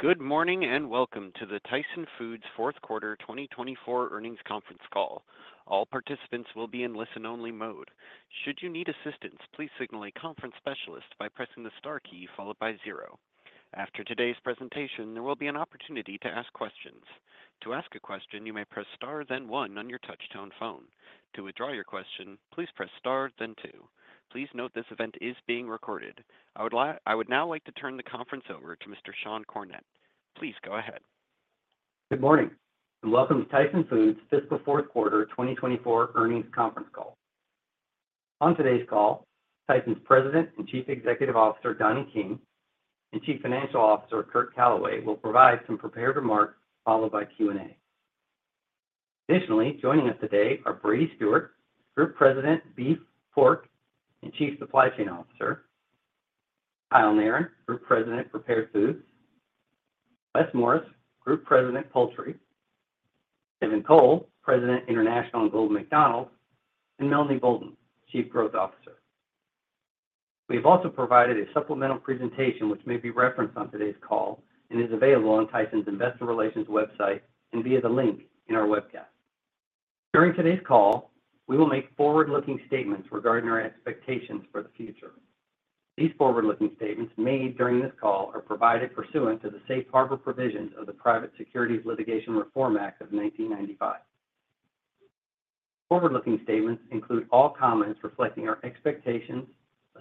Good morning and welcome to the Tyson Foods fourth quarter 2024 earnings conference call. All participants will be in listen-only mode. Should you need assistance, please signal a conference specialist by pressing the star key followed by zero. After today's presentation, there will be an opportunity to ask questions. To ask a question, you may press star then one on your touch-tone. To withdraw your question, please press star then two. Please note this event is being recorded. I would now like to turn the conference over to Mr. Sean Cornett. Please go ahead. Good morning and welcome to Tyson Foods fiscal fourth quarter 2024 earnings conference call. On today's call, Tyson's President and Chief Executive Officer Donnie King and Chief Financial Officer Curt Calaway will provide some prepared remarks followed by Q&A. Additionally, joining us today are Brady Stewart, Group President Beef, Pork and Chief Supply Chain Officer, Kyle Narron, Group President Prepared Foods, Wes Morris, Group President Poultry, Devin Cole, President International and Global McDonald's, and Melanie Boulden, Chief Growth Officer. We have also provided a supplemental presentation which may be referenced on today's call and is available on Tyson's Investor Relations website and via the link in our webcast. During today's call, we will make forward-looking statements regarding our expectations for the future. These forward-looking statements made during this call are provided pursuant to the safe harbor provisions of the Private Securities Litigation Reform Act of 1995. Forward-looking statements include all comments reflecting our expectations,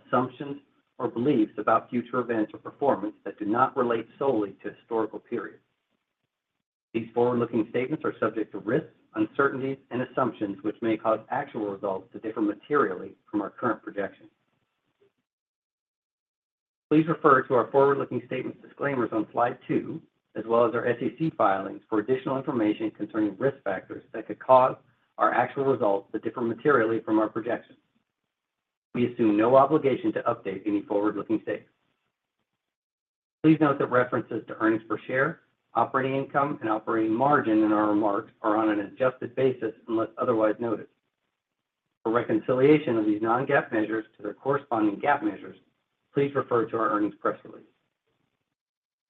assumptions, or beliefs about future events or performance that do not relate solely to historical periods. These forward-looking statements are subject to risks, uncertainties, and assumptions which may cause actual results to differ materially from our current projections. Please refer to our forward-looking statements disclaimers on slide two, as well as our SEC filings, for additional information concerning risk factors that could cause our actual results to differ materially from our projections. We assume no obligation to update any forward-looking statements. Please note that references to earnings per share, operating income, and operating margin in our remarks are on an adjusted basis unless otherwise noted. For reconciliation of these non-GAAP measures to their corresponding GAAP measures, please refer to our earnings press release.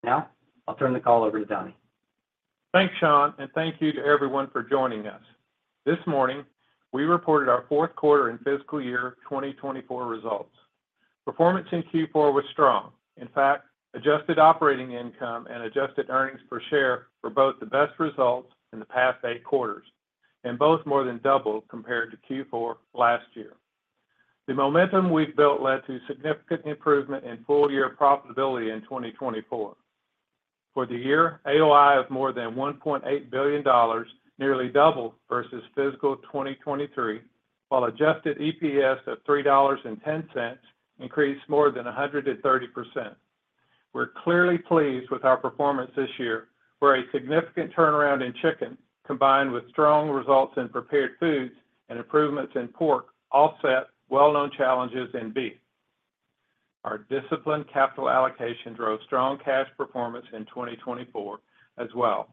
Now, I'll turn the call over to Donnie. Thanks, Sean, and thank you to everyone for joining us. This morning, we reported our fourth quarter and fiscal year 2024 results. Performance in Q4 was strong. In fact, adjusted operating income and adjusted earnings per share were both the best results in the past eight quarters, and both more than doubled compared to Q4 last year. The momentum we've built led to significant improvement in full-year profitability in 2024. For the year, AOI of more than $1.8 billion nearly doubled versus fiscal 2023, while adjusted EPS of $3.10 increased more than 130%. We're clearly pleased with our performance this year, where a significant turnaround in chicken, combined with strong results in prepared foods and improvements in pork, offset well-known challenges in beef. Our disciplined capital allocation drove strong cash performance in 2024 as well.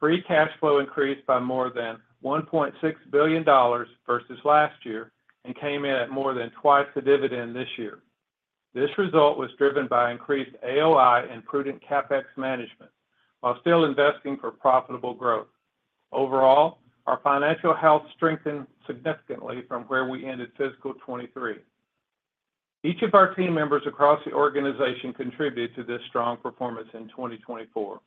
Free cash flow increased by more than $1.6 billion versus last year and came in at more than twice the dividend this year. This result was driven by increased AOI and prudent CapEx management, while still investing for profitable growth. Overall, our financial health strengthened significantly from where we ended fiscal 2023. Each of our team members across the organization contributed to this strong performance in 2024.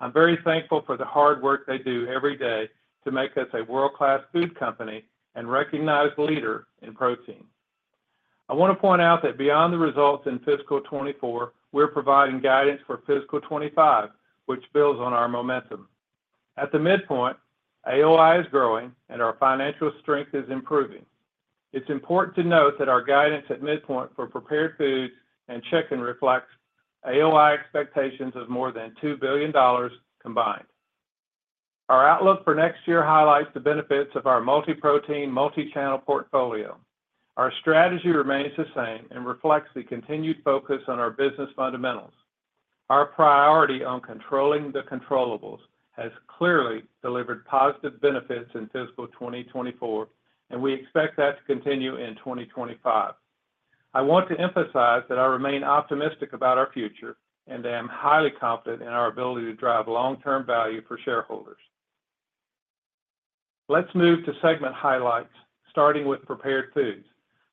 I'm very thankful for the hard work they do every day to make us a world-class food company and recognized leader in protein. I want to point out that beyond the results in fiscal 2024, we're providing guidance for fiscal 2025, which builds on our momentum. At the midpoint, AOI is growing and our financial strength is improving. It's important to note that our guidance at midpoint for prepared foods and chicken reflects AOI expectations of more than $2 billion combined. Our outlook for next year highlights the benefits of our multi-protein, multi-channel portfolio. Our strategy remains the same and reflects the continued focus on our business fundamentals. Our priority on controlling the controllable has clearly delivered positive benefits in fiscal 2024, and we expect that to continue in 2025. I want to emphasize that I remain optimistic about our future and that I am highly confident in our ability to drive long-term value for shareholders. Let's move to segment highlights, starting with prepared foods,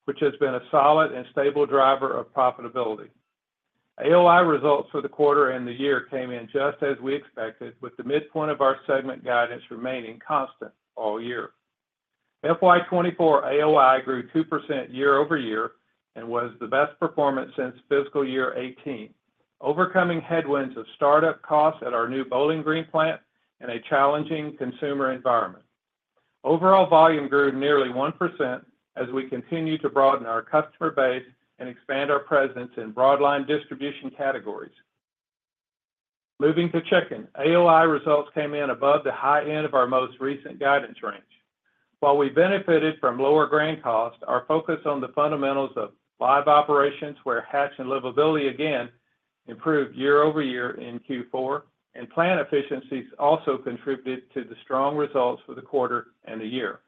which has been a solid and stable driver of profitability. AOI results for the quarter and the year came in just as we expected, with the midpoint of our segment guidance remaining constant all year. FY 2024 AOI grew 2% year-over-year and was the best performance since fiscal year 2018, overcoming headwinds of startup costs at our new Bowling Green plant and a challenging consumer environment. Overall volume grew nearly 1% as we continue to broaden our customer base and expand our presence in broadline distribution categories. Moving to chicken, AOI results came in above the high end of our most recent guidance range. While we benefited from lower grain costs, our focus on the fundamentals of live operations, where hatch and livability again improved year-over-year in Q4, and plant efficiencies also contributed to the strong results for the quarter and the year.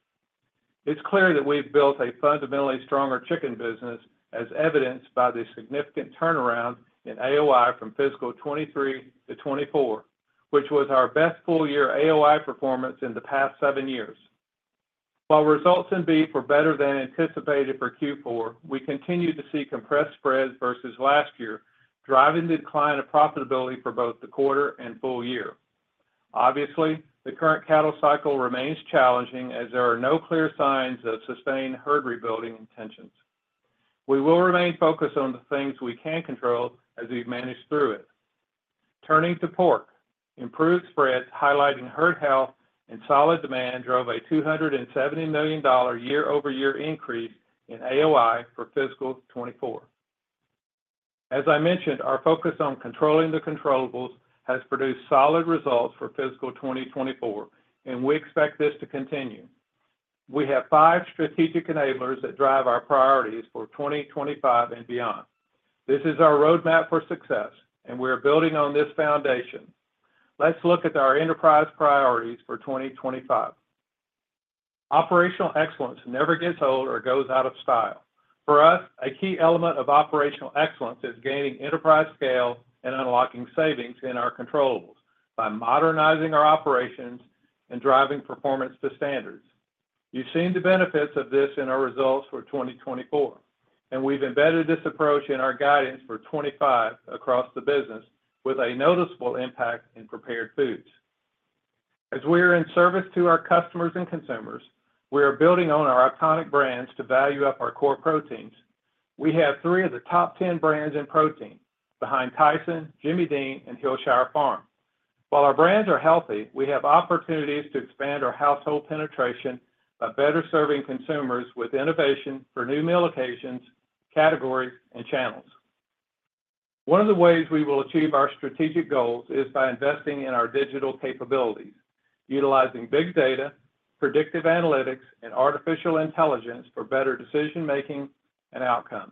It's clear that we've built a fundamentally stronger chicken business, as evidenced by the significant turnaround in AOI from fiscal 2023 to 2024, which was our best full-year AOI performance in the past seven years. While results in beef were better than anticipated for Q4, we continue to see compressed spreads versus last year, driving the decline of profitability for both the quarter and full year. Obviously, the current cattle cycle remains challenging as there are no clear signs of sustained herd rebuilding intentions. We will remain focused on the things we can control as we've managed through it. Turning to pork, improved spreads highlighting herd health and solid demand drove a $270 million year-over-year increase in AOI for fiscal 24. As I mentioned, our focus on controlling the controllable has produced solid results for fiscal 2024, and we expect this to continue. We have five strategic enablers that drive our priorities for 2025 and beyond. This is our roadmap for success, and we are building on this foundation. Let's look at our enterprise priorities for 2025. Operational excellence never gets old or goes out of style. For us, a key element of operational excellence is gaining enterprise scale and unlocking savings in our controllable by modernizing our operations and driving performance to standards. You've seen the benefits of this in our results for 2024, and we've embedded this approach in our guidance for 2025 across the business with a noticeable impact in prepared foods. As we are in service to our customers and consumers, we are building on our iconic brands to value up our core proteins. We have three of the top 10 brands in protein behind Tyson, Jimmy Dean, and Hillshire Farm. While our brands are healthy, we have opportunities to expand our household penetration by better serving consumers with innovation for new meal occasions, categories, and channels. One of the ways we will achieve our strategic goals is by investing in our digital capabilities, utilizing big data, predictive analytics, and artificial intelligence for better decision-making and outcomes.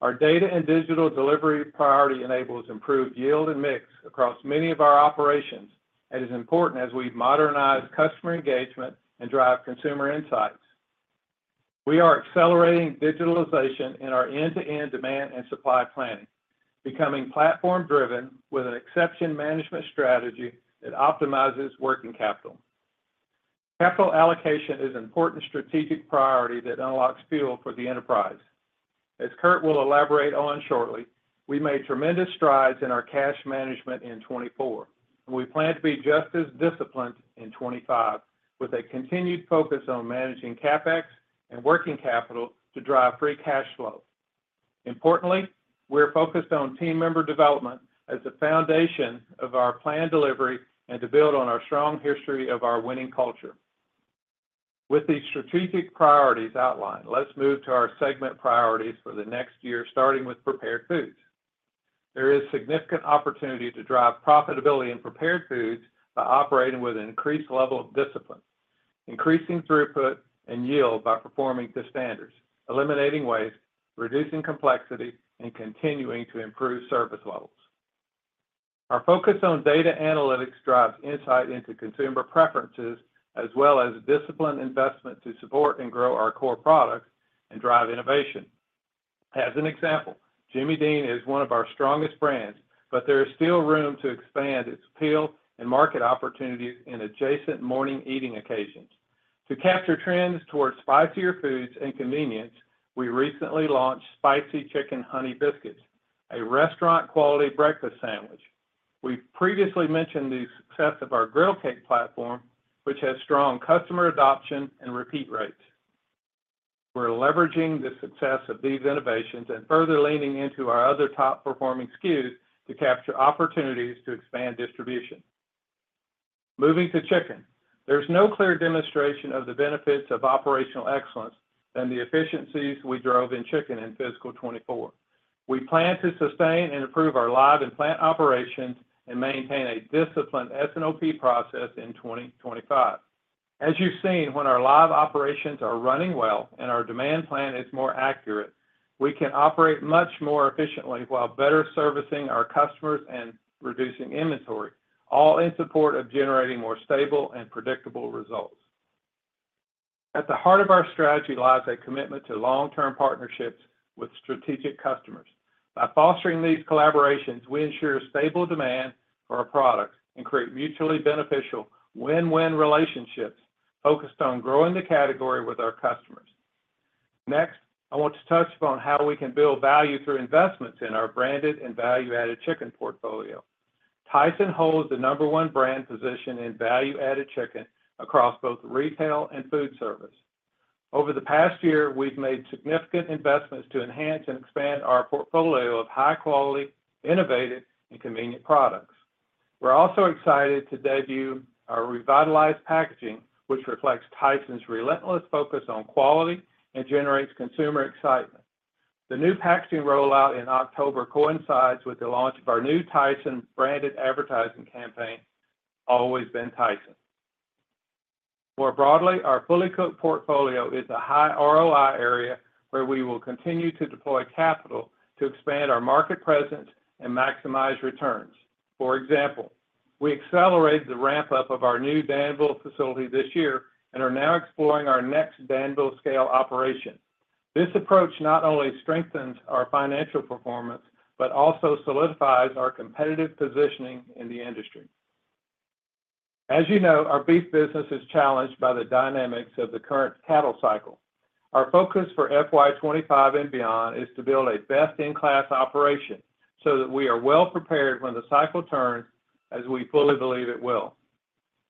Our data and digital delivery priority enables improved yield and mix across many of our operations and is important as we modernize customer engagement and drive consumer insights. We are accelerating digitalization in our end-to-end demand and supply planning, becoming platform-driven with an exception management strategy that optimizes working capital. Capital allocation is an important strategic priority that unlocks fuel for the enterprise. As Curt will elaborate on shortly, we made tremendous strides in our cash management in 2024, and we plan to be just as disciplined in 2025 with a continued focus on managing CapEx and working capital to drive free cash flow. Importantly, we are focused on team member development as the foundation of our planned delivery and to build on our strong history of our winning culture. With these strategic priorities outlined, let's move to our segment priorities for the next year, starting with prepared foods. There is significant opportunity to drive profitability in prepared foods by operating with an increased level of discipline, increasing throughput and yield by performing to standards, eliminating waste, reducing complexity, and continuing to improve service levels. Our focus on data analytics drives insight into consumer preferences as well as disciplined investment to support and grow our core products and drive innovation. As an example, Jimmy Dean is one of our strongest brands, but there is still room to expand its appeal and market opportunities in adjacent morning eating occasions. To capture trends towards spicier foods and convenience, we recently launched Spicy Chicken Honey Biscuits, a restaurant-quality breakfast sandwich. We've previously mentioned the success of our Griddle Cake platform, which has strong customer adoption and repeat rates. We're leveraging the success of these innovations and further leaning into our other top-performing SKUs to capture opportunities to expand distribution. Moving to chicken, there's no clearer demonstration of the benefits of operational excellence than the efficiencies we drove in chicken in fiscal 2024. We plan to sustain and improve our live and plant operations and maintain a disciplined S&OP process in 2025. As you've seen, when our live operations are running well and our demand plan is more accurate, we can operate much more efficiently while better servicing our customers and reducing inventory, all in support of generating more stable and predictable results. At the heart of our strategy lies a commitment to long-term partnerships with strategic customers. By fostering these collaborations, we ensure stable demand for our products and create mutually beneficial win-win relationships focused on growing the category with our customers. Next, I want to touch upon how we can build value through investments in our branded and value-added chicken portfolio. Tyson holds the number one brand position in value-added chicken across both retail and food service. Over the past year, we've made significant investments to enhance and expand our portfolio of high-quality, innovative, and convenient products. We're also excited to debut our revitalized packaging, which reflects Tyson's relentless focus on quality and generates consumer excitement. The new packaging rollout in October coincides with the launch of our new Tyson-branded advertising campaign, Always Been Tyson. More broadly, our fully cooked portfolio is a high ROI area where we will continue to deploy capital to expand our market presence and maximize returns. For example, we accelerated the ramp-up of our new Danville facility this year and are now exploring our next Danville-scale operation. This approach not only strengthens our financial performance but also solidifies our competitive positioning in the industry. As you know, our beef business is challenged by the dynamics of the current cattle cycle. Our focus for FY 2025 and beyond is to build a best-in-class operation so that we are well prepared when the cycle turns as we fully believe it will.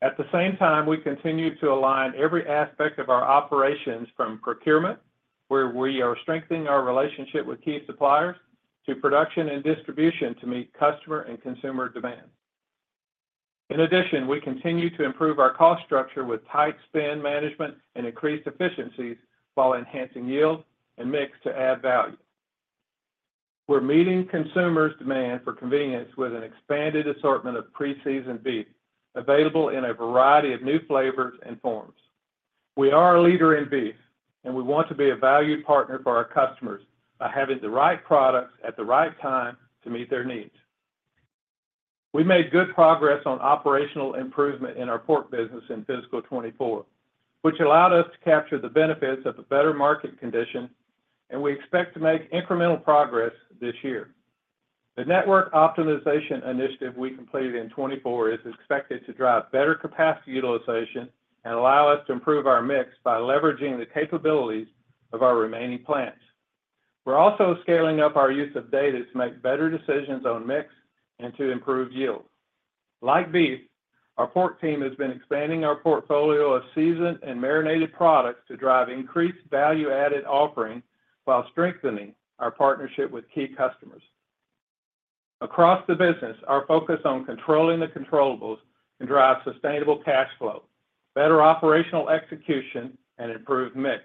At the same time, we continue to align every aspect of our operations from procurement, where we are strengthening our relationship with key suppliers, to production and distribution to meet customer and consumer demand. In addition, we continue to improve our cost structure with tight spend management and increased efficiencies while enhancing yield and mix to add value. We're meeting consumers' demand for convenience with an expanded assortment of pre-seasoned beef available in a variety of new flavors and forms. We are a leader in beef, and we want to be a valued partner for our customers by having the right products at the right time to meet their needs. We made good progress on operational improvement in our pork business in fiscal 2024, which allowed us to capture the benefits of a better market condition, and we expect to make incremental progress this year. The network optimization initiative we completed in 2024 is expected to drive better capacity utilization and allow us to improve our mix by leveraging the capabilities of our remaining plants. We're also scaling up our use of data to make better decisions on mix and to improve yield. Like beef, our pork team has been expanding our portfolio of seasoned and marinated products to drive increased value-added offering while strengthening our partnership with key customers. Across the business, our focus on controlling the controllable can drive sustainable cash flow, better operational execution, and improved mix,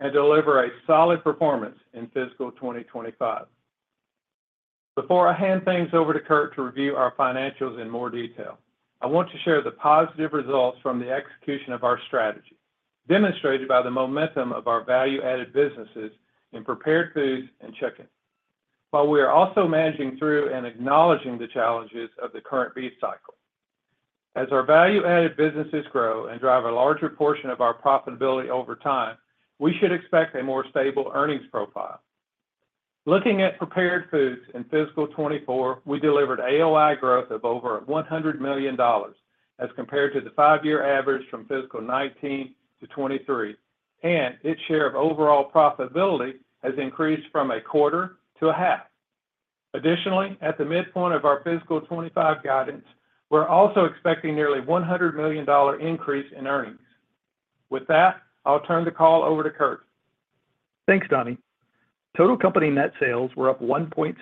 and deliver a solid performance in fiscal 2025. Before I hand things over to Curt to review our financials in more detail, I want to share the positive results from the execution of our strategy, demonstrated by the momentum of our value-added businesses in prepared foods and chicken, while we are also managing through and acknowledging the challenges of the current beef cycle. As our value-added businesses grow and drive a larger portion of our profitability over time, we should expect a more stable earnings profile. Looking at prepared foods in fiscal 2024, we delivered AOI growth of over $100 million as compared to the five-year average from fiscal 2019 to 2023, and its share of overall profitability has increased from a quarter to a half. Additionally, at the midpoint of our fiscal 2025 guidance, we're also expecting nearly $100 million increase in earnings. With that, I'll turn the call over to Curt. Thanks, Donnie. Total company net sales were up 1.6%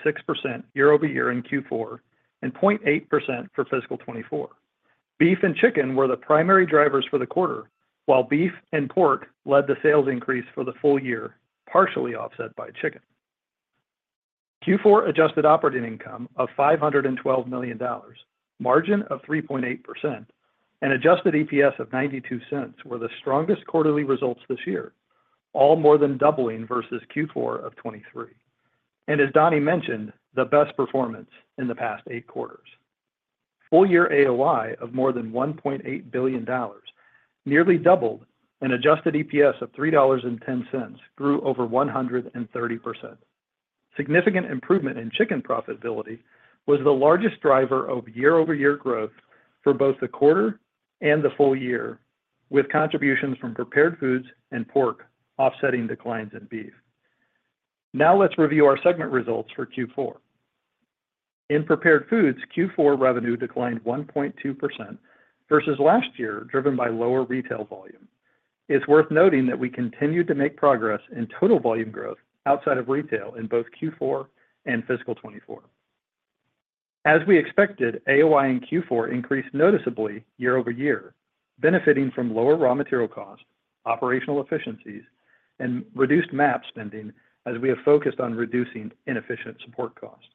year-over-year in Q4 and 0.8% for fiscal 2024. Beef and chicken were the primary drivers for the quarter, while beef and pork led the sales increase for the full year, partially offset by chicken. Q4 adjusted operating income of $512 million, margin of 3.8%, and adjusted EPS of $0.92 were the strongest quarterly results this year, all more than doubling versus Q4 of 2023, and, as Donnie mentioned, the best performance in the past eight quarters. Full-year AOI of more than $1.8 billion, nearly doubled, and adjusted EPS of $3.10 grew over 130%. Significant improvement in chicken profitability was the largest driver of year-over-year growth for both the quarter and the full year, with contributions from prepared foods and pork offsetting declines in beef. Now let's review our segment results for Q4. In prepared foods, Q4 revenue declined 1.2% versus last year, driven by lower retail volume. It's worth noting that we continued to make progress in total volume growth outside of retail in both Q4 and fiscal 2024. As we expected, AOI in Q4 increased noticeably year-over-year, benefiting from lower raw material costs, operational efficiencies, and reduced MAP spending as we have focused on reducing inefficient support costs.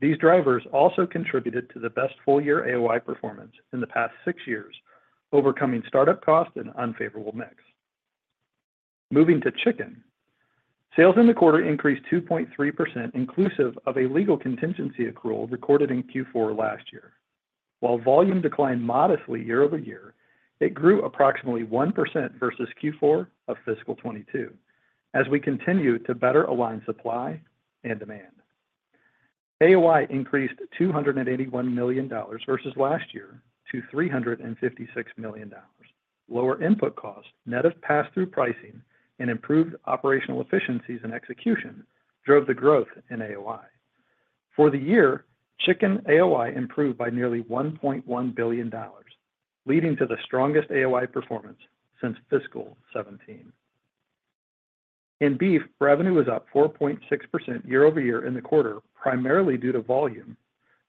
These drivers also contributed to the best full-year AOI performance in the past six years, overcoming startup costs and unfavorable mix. Moving to chicken, sales in the quarter increased 2.3% inclusive of a legal contingency accrual recorded in Q4 last year. While volume declined modestly year-over-year, it grew approximately 1% versus Q4 of fiscal 2022 as we continued to better align supply and demand. AOI increased $281 million versus last year to $356 million. Lower input costs, net of pass-through pricing, and improved operational efficiencies and execution drove the growth in AOI. For the year, chicken AOI improved by nearly $1.1 billion, leading to the strongest AOI performance since fiscal 2017. In beef, revenue was up 4.6% year-over-year in the quarter, primarily due to volume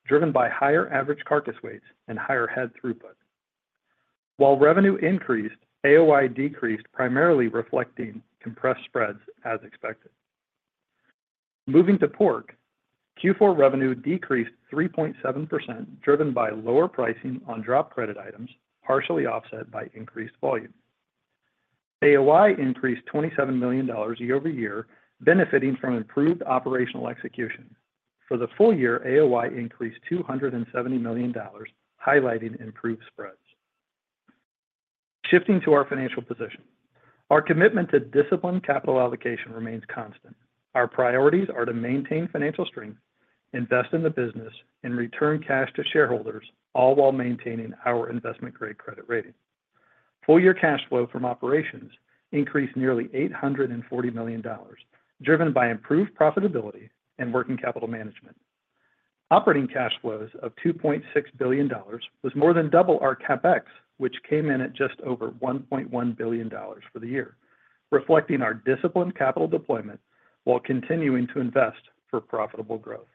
driven by higher average carcass weights and higher head throughput. While revenue increased, AOI decreased, primarily reflecting compressed spreads as expected. Moving to pork, Q4 revenue decreased 3.7%, driven by lower pricing on drop credit items, partially offset by increased volume. AOI increased $27 million year-over-year, benefiting from improved operational execution. For the full year, AOI increased $270 million, highlighting improved spreads. Shifting to our financial position, our commitment to disciplined capital allocation remains constant. Our priorities are to maintain financial strength, invest in the business, and return cash to shareholders, all while maintaining our investment-grade credit rating. Full-year cash flow from operations increased nearly $840 million, driven by improved profitability and working capital management. Operating cash flows of $2.6 billion was more than double our CapEx, which came in at just over $1.1 billion for the year, reflecting our disciplined capital deployment while continuing to invest for profitable growth.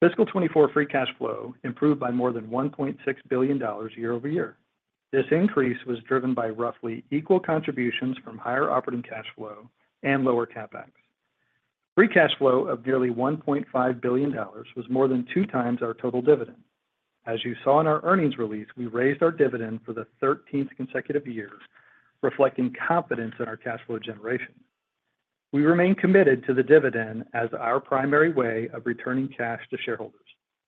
Fiscal 2024 free cash flow improved by more than $1.6 billion year-over-year. This increase was driven by roughly equal contributions from higher operating cash flow and lower CapEx. Free cash flow of nearly $1.5 billion was more than two times our total dividend. As you saw in our earnings release, we raised our dividend for the 13th consecutive year, reflecting confidence in our cash flow generation. We remain committed to the dividend as our primary way of returning cash to shareholders.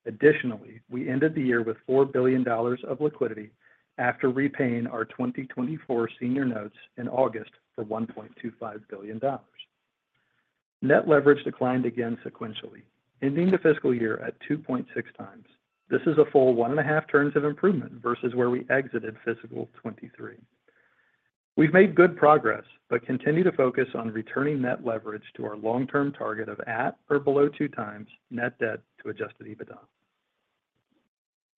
Additionally, we ended the year with $4 billion of liquidity after repaying our 2024 senior notes in August for $1.25 billion. Net leverage declined again sequentially, ending the fiscal year at 2.6 times. This is a full one and a half turns of improvement versus where we exited fiscal 2023. We've made good progress but continue to focus on returning net leverage to our long-term target of at or below two times net debt to Adjusted EBITDA.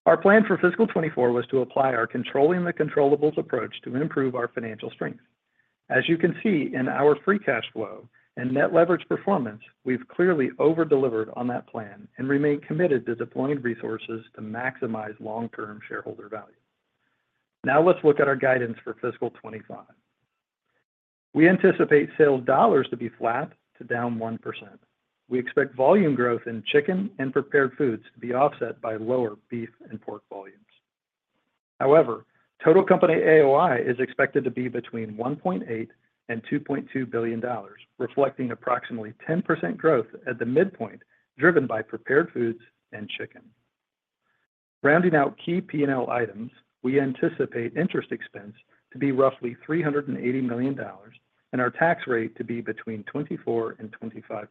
Our plan for fiscal 2024 was to apply our controlling the controllable approach to improve our financial strength. As you can see in our free cash flow and net leverage performance, we've clearly over-delivered on that plan and remained committed to deploying resources to maximize long-term shareholder value. Now let's look at our guidance for fiscal 2025. We anticipate sales dollars to be flat to down 1%. We expect volume growth in chicken and prepared foods to be offset by lower beef and pork volumes. However, total company AOI is expected to be between $1.8 billion-$2.2 billion, reflecting approximately 10% growth at the midpoint driven by prepared foods and chicken. Rounding out key P&L items, we anticipate interest expense to be roughly $380 million and our tax rate to be between 24%-25%.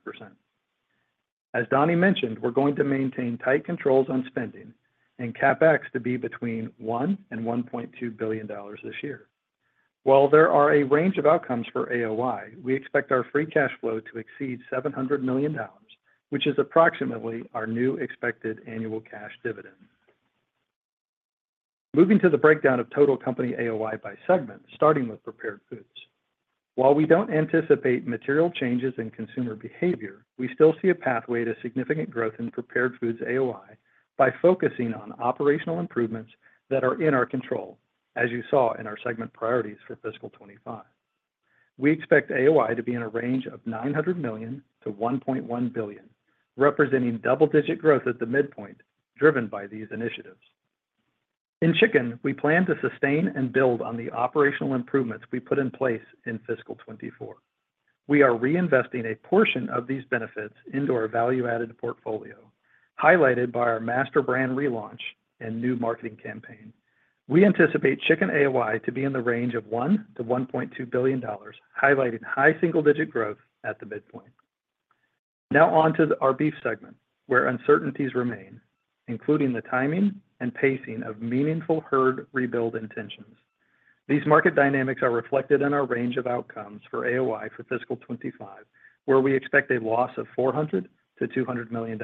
As Donnie mentioned, we're going to maintain tight controls on spending and CapEx to be between $1bilion-$1.2 billion this year. While there are a range of outcomes for AOI, we expect our free cash flow to exceed $700 million, which is approximately our new expected annual cash dividend. Moving to the breakdown of total company AOI by segment, starting with prepared foods. While we don't anticipate material changes in consumer behavior, we still see a pathway to significant growth in prepared foods AOI by focusing on operational improvements that are in our control, as you saw in our segment priorities for fiscal 2025. We expect AOI to be in a range of $900 million-$1.1 billion, representing double-digit growth at the midpoint driven by these initiatives. In chicken, we plan to sustain and build on the operational improvements we put in place in fiscal 2024. We are reinvesting a portion of these benefits into our value-added portfolio, highlighted by our master brand relaunch and new marketing campaign. We anticipate chicken AOI to be in the range of $1 billion-$1.2 billion, highlighting high single-digit growth at the midpoint. Now on to our beef segment, where uncertainties remain, including the timing and pacing of meaningful herd rebuild intentions. These market dynamics are reflected in our range of outcomes for AOI for fiscal 2025, where we expect a loss of $400 million-$200 million,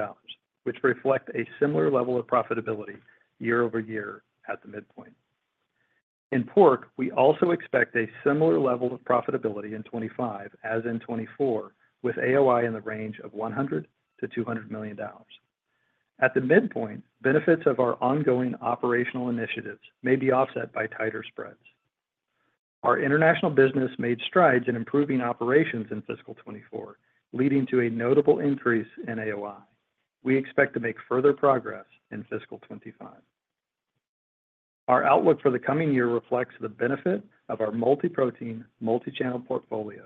which reflect a similar level of profitability year-over-year at the midpoint. In pork, we also expect a similar level of profitability in 2025 as in 2024, with AOI in the range of $100 million-$200 million. At the midpoint, benefits of our ongoing operational initiatives may be offset by tighter spreads. Our international business made strides in improving operations in fiscal 2024, leading to a notable increase in AOI. We expect to make further progress in fiscal 2025. Our outlook for the coming year reflects the benefit of our multi-protein, multi-channel portfolio.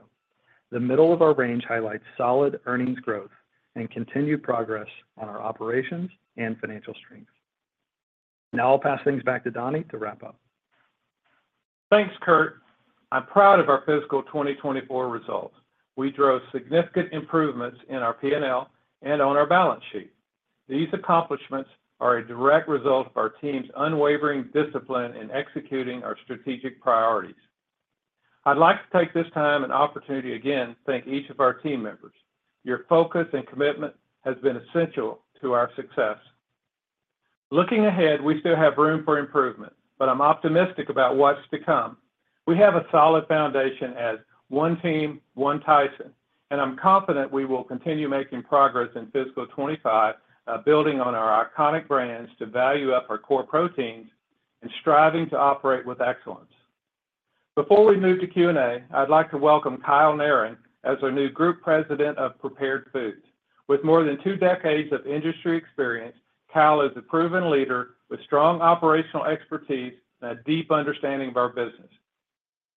The middle of our range highlights solid earnings growth and continued progress on our operations and financial strength. Now I'll pass things back to Donnie to wrap up. Thanks Curt. I'm proud of our fiscal 2024 results. We drove significant improvements in our P&L and on our balance sheet. These accomplishments are a direct result of our team's unwavering discipline in executing our strategic priorities. I'd like to take this time and opportunity again to thank each of our team members. Your focus and commitment have been essential to our success. Looking ahead, we still have room for improvement, but I'm optimistic about what's to come. We have a solid foundation as one team, one Tyson, and I'm confident we will continue making progress in fiscal 2025, building on our iconic brands to value up our core proteins and striving to operate with excellence. Before we move to Q&A, I'd like to welcome Kyle Narron as our new group president of prepared foods. With more than two decades of industry experience, Kyle is a proven leader with strong operational expertise and a deep understanding of our business.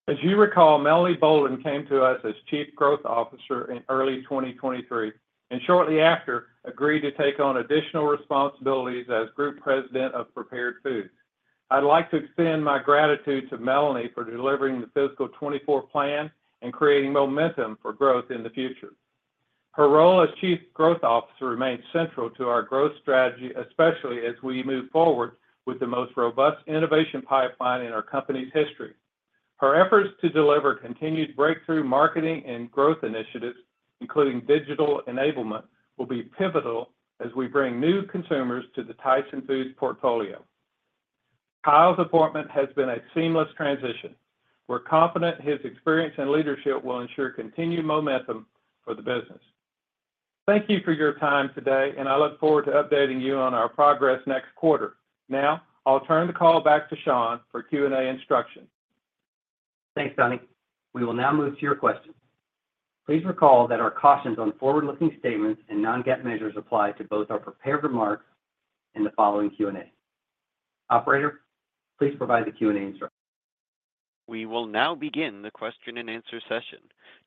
As you recall, Melanie Boulden came to us as Chief Growth Officer in early 2023 and shortly after agreed to take on additional responsibilities as Group President of Prepared Foods. I'd like to extend my gratitude to Melanie for delivering the fiscal 2024 plan and creating momentum for growth in the future. Her role as Chief Growth Officer remains central to our growth strategy, especially as we move forward with the most robust innovation pipeline in our company's history. Her efforts to deliver continued breakthrough marketing and growth initiatives, including digital enablement, will be pivotal as we bring new consumers to the Tyson Foods portfolio. Kyle's appointment has been a seamless transition. We're confident his experience and leadership will ensure continued momentum for the business. Thank you for your time today, and I look forward to updating you on our progress next quarter. Now I'll turn the call back to Sean for Q&A instruction. Thanks, Donnie. We will now move to your questions. Please recall that our cautions on forward-looking statements and non-GAAP measures apply to both our prepared remarks and the following Q&A. Operator, please provide the Q&A instructions. We will now begin the question and answer session.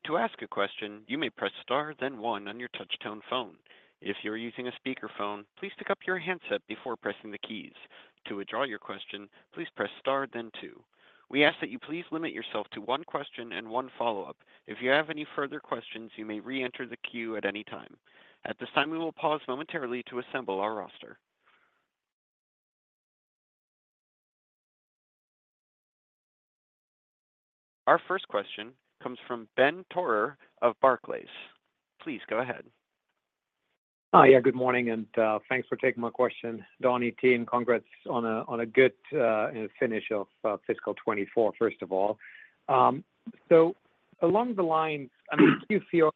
To ask a question, you may press star, then one on your touch-tone phone. If you're using a speakerphone, please pick up your handset before pressing the keys. To withdraw your question, please press star, then two. We ask that you please limit yourself to one question and one follow-up. If you have any further questions, you may re-enter the queue at any time. At this time, we will pause momentarily to assemble our roster. Our first question comes from Ben Theurer of Barclays. Please go ahead. Hi, yeah, good morning and thanks for taking my question. Donnie, team, congrats on a good finish of fiscal 2024, first of all. So along the lines, I mean, Q4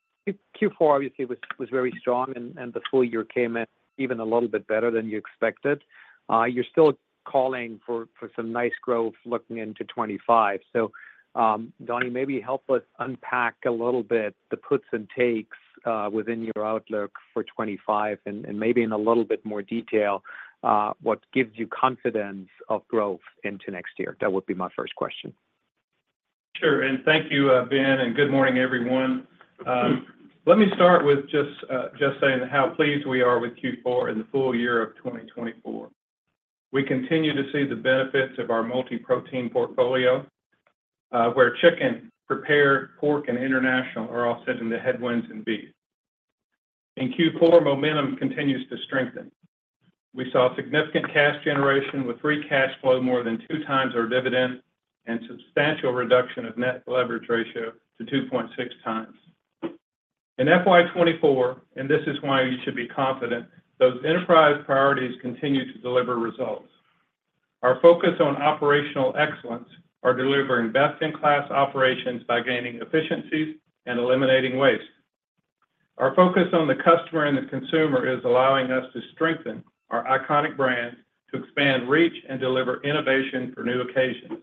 obviously was very strong and the full year came in even a little bit better than you expected. You're still calling for some nice growth looking into 2025. So Donnie, maybe help us unpack a little bit the puts and takes within your outlook for 2025 and maybe in a little bit more detail what gives you confidence of growth into next year. That would be my first question. Sure, and thank you, Ben, and good morning, everyone. Let me start with just saying how pleased we are with Q4 in the full year of 2024. We continue to see the benefits of our multi-protein portfolio, where chicken, prepared, pork, and international are offsetting the headwinds in beef. In Q4, momentum continues to strengthen. We saw significant cash generation with free cash flow more than two times our dividend and substantial reduction of net leverage ratio to 2.6x. In FY 2024, and this is why you should be confident, those enterprise priorities continue to deliver results. Our focus on operational excellence is delivering best-in-class operations by gaining efficiencies and eliminating waste. Our focus on the customer and the consumer is allowing us to strengthen our iconic brand to expand reach and deliver innovation for new occasions.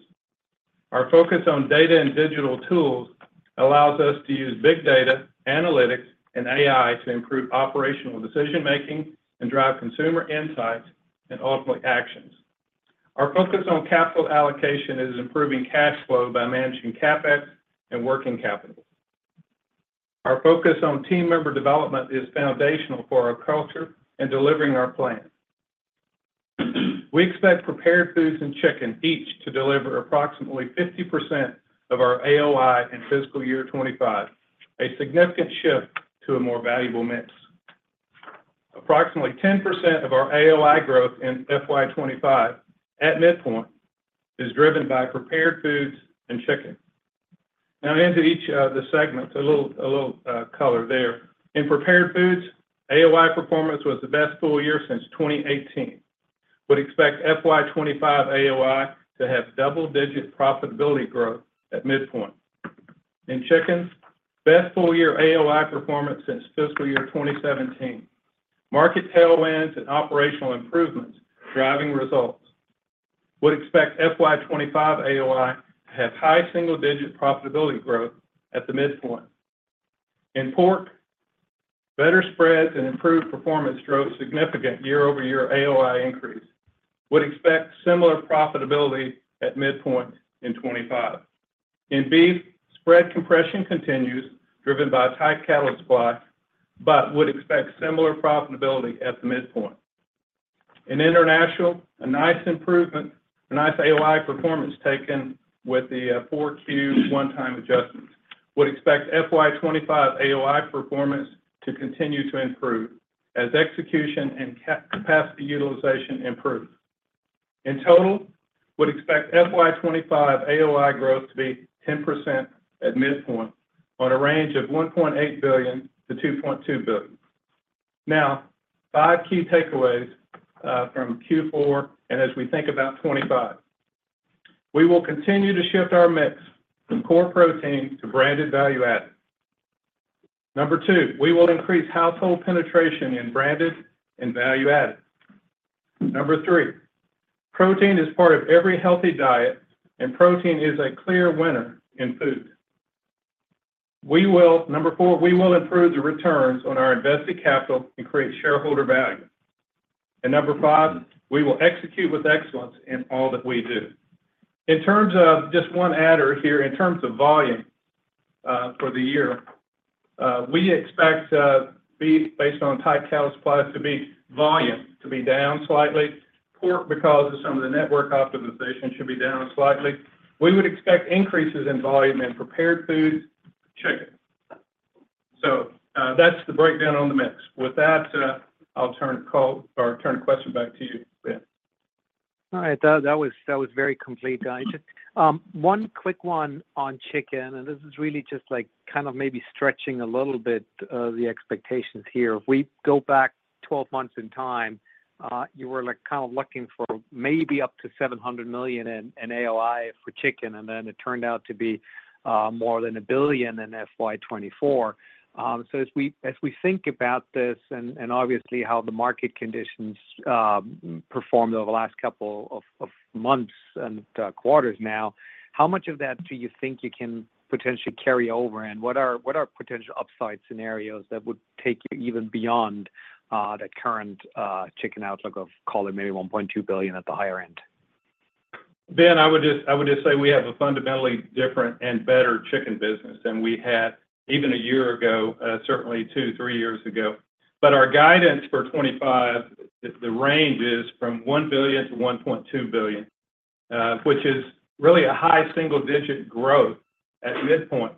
Our focus on data and digital tools allows us to use big data, analytics, and AI to improve operational decision-making and drive consumer insights and ultimately actions. Our focus on capital allocation is improving cash flow by managing CapEx and working capital. Our focus on team member development is foundational for our culture and delivering our plan. We expect prepared foods and chicken each to deliver approximately 50% of our AOI in fiscal year 2025, a significant shift to a more valuable mix. Approximately 10% of our AOI growth in FY 2025 at midpoint is driven by prepared foods and chicken. Now into each of the segments, a little color there. In prepared foods, AOI performance was the best full year since 2018. We'd expect FY 2025 AOI to have double-digit profitability growth at midpoint. In chickens, best full year AOI performance since fiscal year 2017. Market tailwinds and operational improvements driving results. We'd expect FY 2025 AOI to have high single-digit profitability growth at the midpoint. In pork, better spreads and improved performance drove significant year-over-year AOI increase. We'd expect similar profitability at midpoint in 2025. In beef, spread compression continues driven by tight cattle supply, but we'd expect similar profitability at the midpoint. In international, a nice improvement, a nice AOI performance taken with the 4Q one-time adjustments. We'd expect FY 2025 AOI performance to continue to improve as execution and capacity utilization improve. In total, we'd expect FY 2025 AOI growth to be 10% at midpoint on a range of $1.8 billion-$2.2 billion. Now, five key takeaways from Q4 and as we think about 2025. We will continue to shift our mix from core protein to branded value-added. Number two, we will increase household penetration in branded and value-added. Number three, protein is part of every healthy diet, and protein is a clear winner in food. Number four, we will improve the returns on our invested capital and create shareholder value. Number five, we will execute with excellence in all that we do. In terms of just one add-on here, in terms of volume for the year, we expect beef, based on tight cattle supply, volume to be down slightly. Pork, because of some of the network optimization, should be down slightly. We would expect increases in volume in prepared foods, chicken. So that's the breakdown on the mix. With that, I'll turn the call or turn the question back to you, Ben. All right, that was very complete, Donnie. One quick one on chicken, and this is really just kind of maybe stretching a little bit the expectations here. If we go back 12 months in time, you were kind of looking for maybe up to $700 million in AOI for chicken, and then it turned out to be more than a billion in FY 2024. As we think about this and obviously how the market conditions performed over the last couple of months and quarters now, how much of that do you think you can potentially carry over, and what are potential upside scenarios that would take you even beyond the current chicken outlook of calling maybe $1.2 billion at the higher end? Ben, I would just say we have a fundamentally different and better chicken business than we had even a year ago, certainly two, three years ago. But our guidance for 2025, the range is from $1 billion-$1.2 billion, which is really a high single-digit growth at midpoint.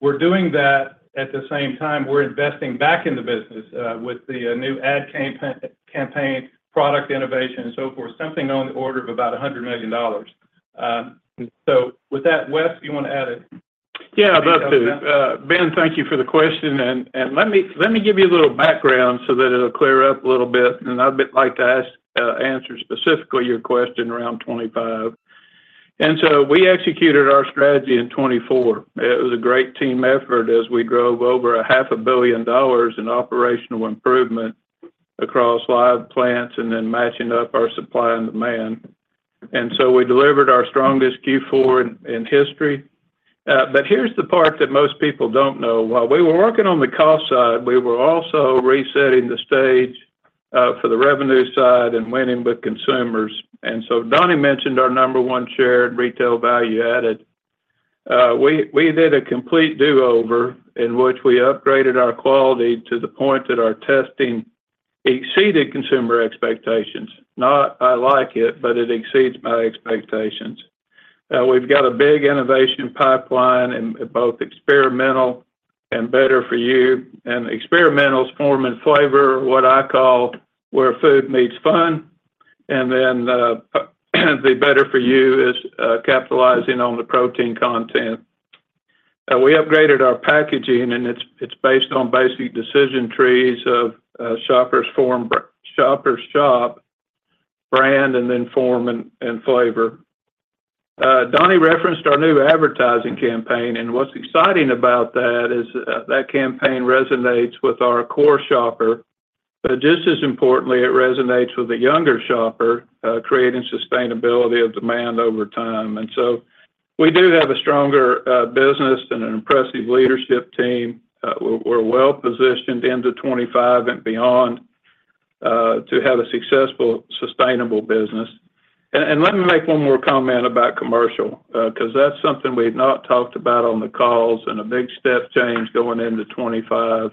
We're doing that at the same time we're investing back in the business with the new ad campaign, product innovation, and so forth, something on the order of about $100 million. So with that, Wes, do you want to add anything? Yeah, I'd love to. Ben, thank you for the question. Let me give you a little background so that it'll clear up a little bit, and I'd like to answer specifically your question around 2025. We executed our strategy in 2024. It was a great team effort as we drove over $500 million in operational improvement across live plants and then matching up our supply and demand. We delivered our strongest Q4 in history. Here's the part that most people don't know. While we were working on the cost side, we were also resetting the stage for the revenue side and winning with consumers. Donnie mentioned our number one shared retail value-added. We did a complete do-over in which we upgraded our quality to the point that our testing exceeded consumer expectations. No, I like it, but it exceeds my expectations. We've got a big innovation pipeline in both experimental and better for you, and experimental's form and flavor, what I call where food meets fun. And then the better for you is capitalizing on the protein content. We upgraded our packaging, and it's based on basic decision trees of shopper's shop brand and then form and flavor. Donnie referenced our new advertising campaign, and what's exciting about that is that campaign resonates with our core shopper, but just as importantly, it resonates with a younger shopper, creating sustainability of demand over time, and so we do have a stronger business and an impressive leadership team. We're well positioned into 2025 and beyond to have a successful, sustainable business. Let me make one more comment about commercial because that's something we've not talked about on the calls and a big step change going into 2025.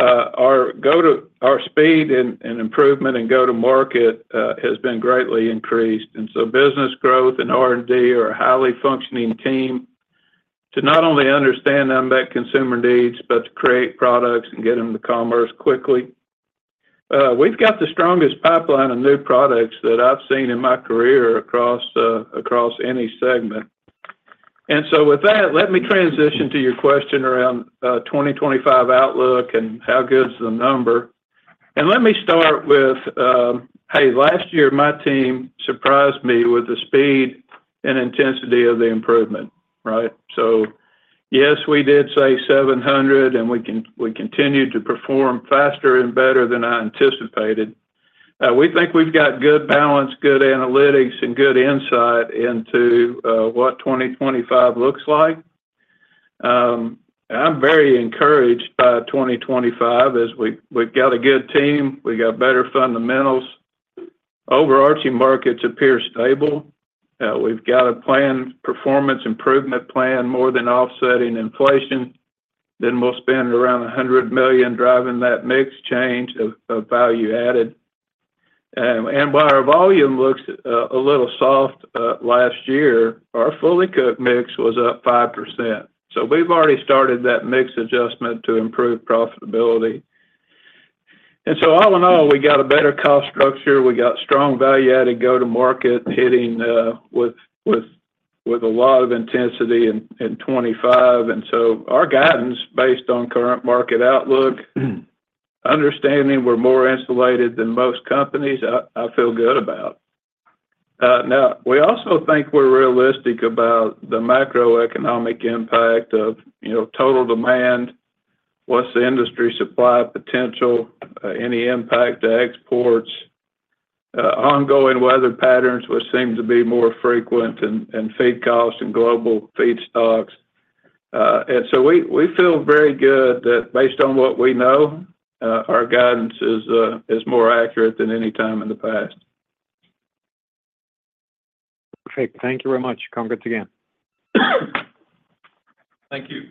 Our speed and improvement in go-to-market has been greatly increased. And so business growth and R&D are a highly functioning team to not only understand unmet consumer needs, but to create products and get them to market quickly. We've got the strongest pipeline of new products that I've seen in my career across any segment. And so with that, let me transition to your question around 2025 outlook and how good's the number. And let me start with, hey, last year, my team surprised me with the speed and intensity of the improvement, right? So yes, we did say 700, and we continued to perform faster and better than I anticipated. We think we've got good balance, good analytics, and good insight into what 2025 looks like. I'm very encouraged by 2025 as we've got a good team. We've got better fundamentals. Overarching markets appear stable. We've got a planned performance improvement plan more than offsetting inflation. Then we'll spend around $100 million driving that mix change of value-added. While our volume looks a little soft last year, our fully cooked mix was up 5%. We've already started that mix adjustment to improve profitability. All in all, we got a better cost structure. We got strong value-added go-to-market hitting with a lot of intensity in 2025. Our guidance based on current market outlook, understanding we're more insulated than most companies, I feel good about. Now, we also think we're realistic about the macroeconomic impact of total demand, what's the industry supply potential, any impact to exports, ongoing weather patterns, which seem to be more frequent, and feed costs and global feed stocks, and so we feel very good that based on what we know, our guidance is more accurate than any time in the past. Perfect. Thank you very much. Congrats again. Thank you.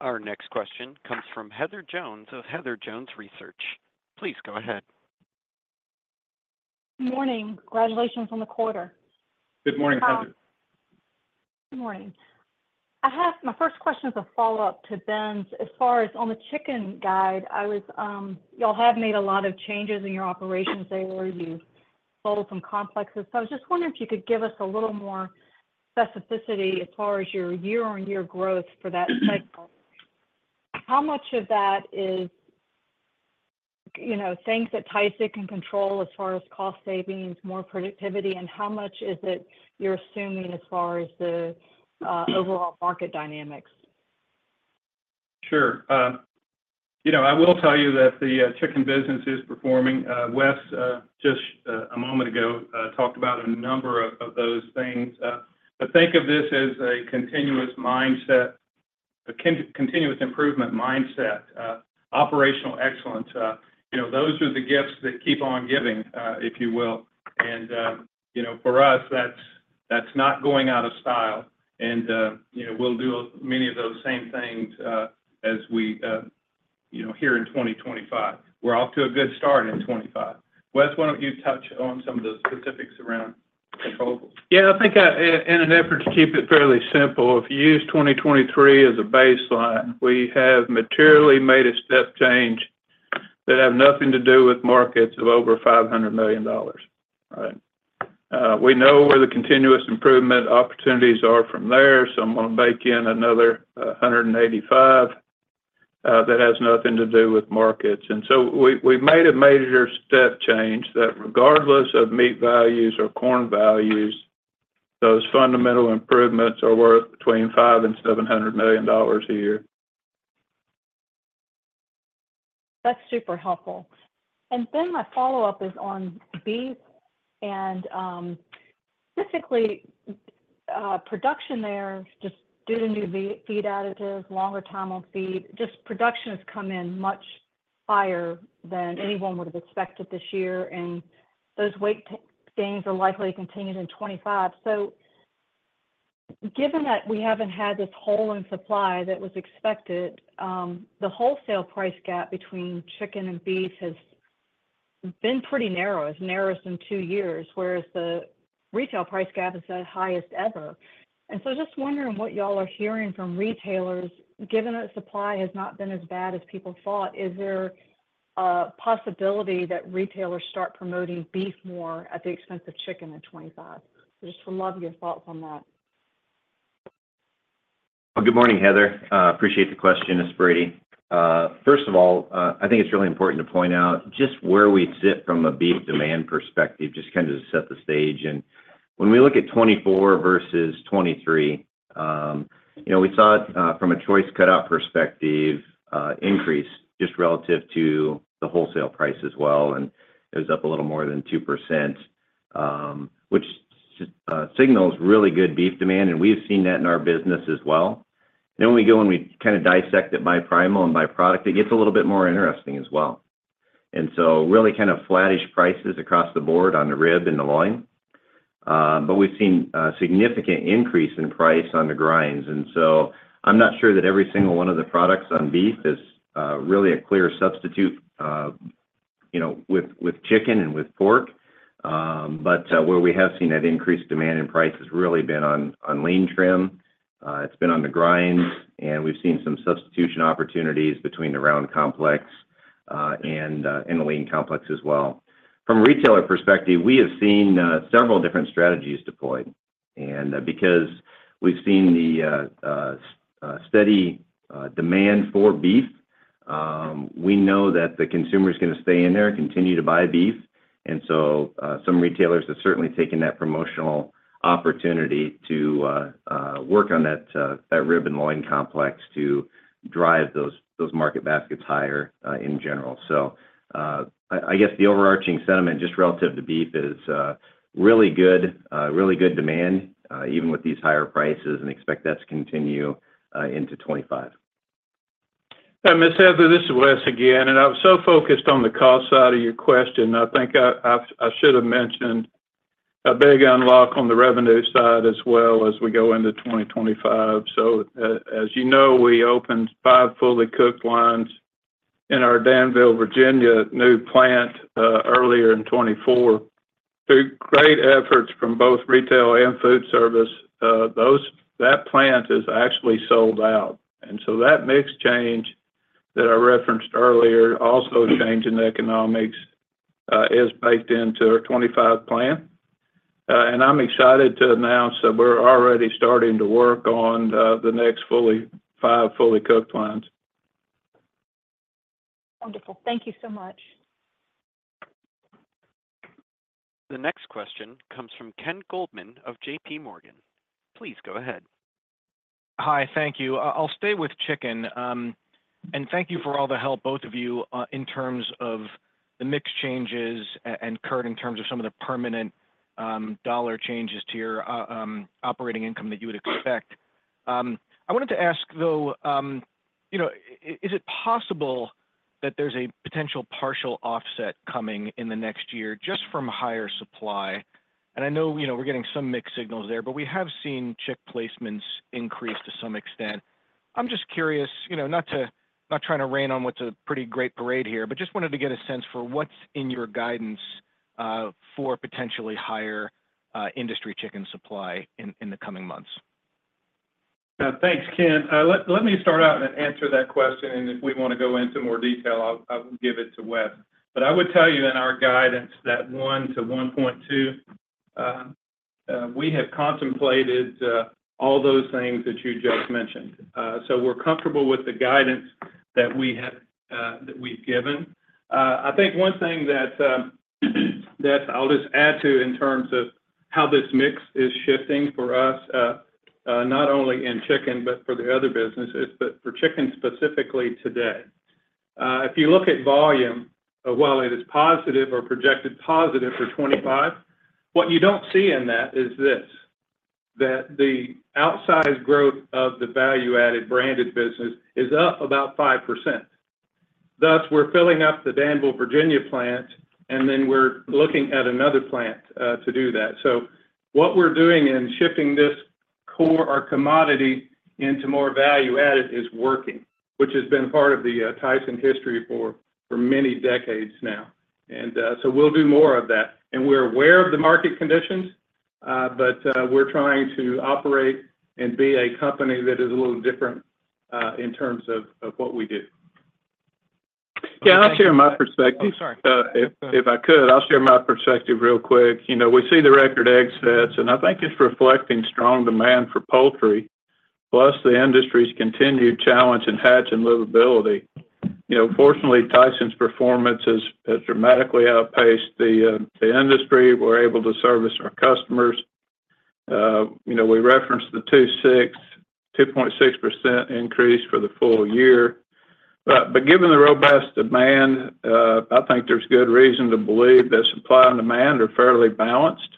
Our next question comes from Heather Jones of Heather Jones Research. Please go ahead. Good morning. Congratulations on the quarter. Good morning. My first question is a follow-up to Ben's. As far as on the chicken guide, y'all have made a lot of changes in your operations there, where you sold some complexes. So I was just wondering if you could give us a little more specificity as far as your year-on-year growth for that cycle. How much of that is things that Tyson can control as far as cost savings, more productivity, and how much is it you're assuming as far as the overall market dynamics? Sure. I will tell you that the chicken business is performing. Wes, just a moment ago, talked about a number of those things. But think of this as a continuous mindset, a continuous improvement mindset, operational excellence. Those are the gifts that keep on giving, if you will. And for us, that's not going out of style. And we'll do many of those same things as we hear in 2025. We're off to a good start in 2025. Wes, why don't you touch on some of the specifics around controls? Yeah, I think in an effort to keep it fairly simple, if you use 2023 as a baseline, we have materially made a step change that has nothing to do with markets of over $500 million, right? We know where the continuous improvement opportunities are from there. So I'm going to bake in another $185 that has nothing to do with markets. And so we've made a major step change that regardless of meat values or corn values, those fundamental improvements are worth between $500 and $700 million a year. That's super helpful. And then my follow-up is on beef and specifically production there, just due to new feed additives, longer time on feed. Just production has come in much higher than anyone would have expected this year, and those weight gains are likely to continue in 2025. Given that we haven't had this hole in supply that was expected, the wholesale price gap between chicken and beef has been pretty narrow, as narrow as in two years, whereas the retail price gap is the highest ever. And so just wondering what y'all are hearing from retailers, given that supply has not been as bad as people thought, is there a possibility that retailers start promoting beef more at the expense of chicken in 2025? Just would love your thoughts on that. Good morning, Heather. Appreciate the question, It's Brady. First of all, I think it's really important to point out just where we sit from a beef demand perspective, just kind of to set the stage. And when we look at 2024 versus 2023, we saw it from a choice cutout perspective increase just relative to the wholesale price as well. It was up a little more than 2%, which signals really good beef demand, and we've seen that in our business as well. When we go and we kind of dissect it by primal and by product, it gets a little bit more interesting as well. Really kind of flattish prices across the board on the rib and the loin. We've seen a significant increase in price on the grinds. I'm not sure that every single one of the products on beef is really a clear substitute with chicken and with pork. Where we have seen that increased demand and price has really been on lean trim. It's been on the grinds, and we've seen some substitution opportunities between the round complex and the lean complex as well. From a retailer perspective, we have seen several different strategies deployed. Because we've seen the steady demand for beef, we know that the consumer is going to stay in there and continue to buy beef. And so some retailers have certainly taken that promotional opportunity to work on that rib and loin complex to drive those market baskets higher in general. So I guess the overarching sentiment just relative to beef is really good, really good demand, even with these higher prices, and expect that to continue into 2025. And Ms. Heather, this is Wes again. And I'm so focused on the cost side of your question. I think I should have mentioned a big unlock on the revenue side as well as we go into 2025. So as you know, we opened five fully cooked lines in our Danville, Virginia, new plant earlier in 2024. Two great efforts from both retail and food service. That plant is actually sold out, and so that mix change that I referenced earlier, also changing the economics, is baked into our 2025 plan, and I'm excited to announce that we're already starting to work on the next five fully cooked lines. Wonderful. Thank you so much. The next question comes from Ken Goldman of JPMorgan. Please go ahead. Hi, thank you. I'll stay with chicken, and thank you for all the help, both of you, in terms of the mix changes and currently in terms of some of the permanent dollar changes to your operating income that you would expect. I wanted to ask, though, is it possible that there's a potential partial offset coming in the next year just from higher supply, and I know we're getting some mixed signals there, but we have seen chick placements increase to some extent. I'm just curious, not trying to rain on what's a pretty great parade here, but just wanted to get a sense for what's in your guidance for potentially higher industry chicken supply in the coming months. Thanks, Ken. Let me start out and answer that question, and if we want to go into more detail, I will give it to Wes, but I would tell you in our guidance that 1-1.2, we have contemplated all those things that you just mentioned, so we're comfortable with the guidance that we've given. I think one thing that I'll just add to in terms of how this mix is shifting for us, not only in chicken, but for the other businesses, but for chicken specifically today. If you look at volume, while it is positive or projected positive for 2025, what you don't see in that is this: that the outsized growth of the value-added branded business is up about 5%. Thus, we're filling up the Danville, Virginia plant, and then we're looking at another plant to do that. So what we're doing in shifting this core or commodity into more value-added is working, which has been part of the Tyson history for many decades now. And so we'll do more of that. And we're aware of the market conditions, but we're trying to operate and be a company that is a little different in terms of what we do. Yeah, I'll share my perspective. Oh, sorry. If I could, I'll share my perspective real quick. We see the record exits, and I think it's reflecting strong demand for poultry, plus the industry's continued challenge in hatch and livability. Fortunately, Tyson's performance has dramatically outpaced the industry. We're able to service our customers. We referenced the 2.6% increase for the full year. But given the robust demand, I think there's good reason to believe that supply and demand are fairly balanced.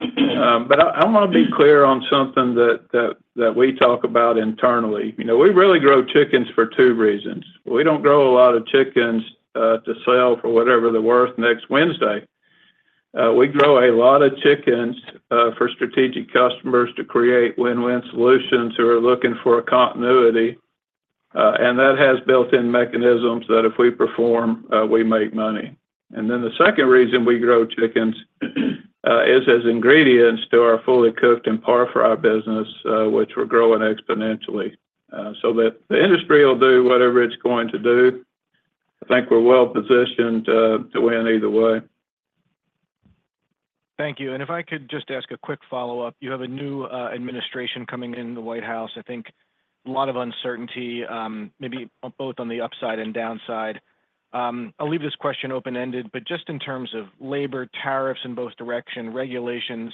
But I want to be clear on something that we talk about internally. We really grow chickens for two reasons. We don't grow a lot of chickens to sell for whatever the worth next Wednesday. We grow a lot of chickens for strategic customers to create win-win solutions who are looking for a continuity. And that has built-in mechanisms that if we perform, we make money. And then the second reason we grow chickens is as ingredients to our fully cooked and par-fry business, which we're growing exponentially. So the industry will do whatever it's going to do. I think we're well-positioned to win either way. Thank you. And if I could just ask a quick follow-up, you have a new administration coming in the White House. I think a lot of uncertainty, maybe both on the upside and downside. I'll leave this question open-ended, but just in terms of labor, tariffs in both directions, regulations,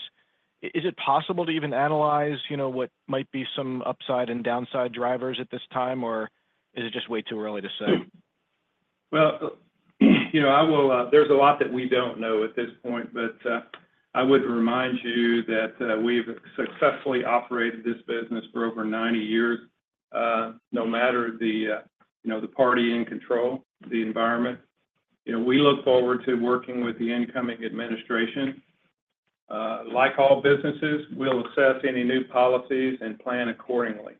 is it possible to even analyze what might be some upside and downside drivers at this time, or is it just way too early to say? Well, there's a lot that we don't know at this point, but I would remind you that we've successfully operated this business for over 90 years, no matter the party in control, the environment. We look forward to working with the incoming administration. Like all businesses, we'll assess any new policies and plan accordingly.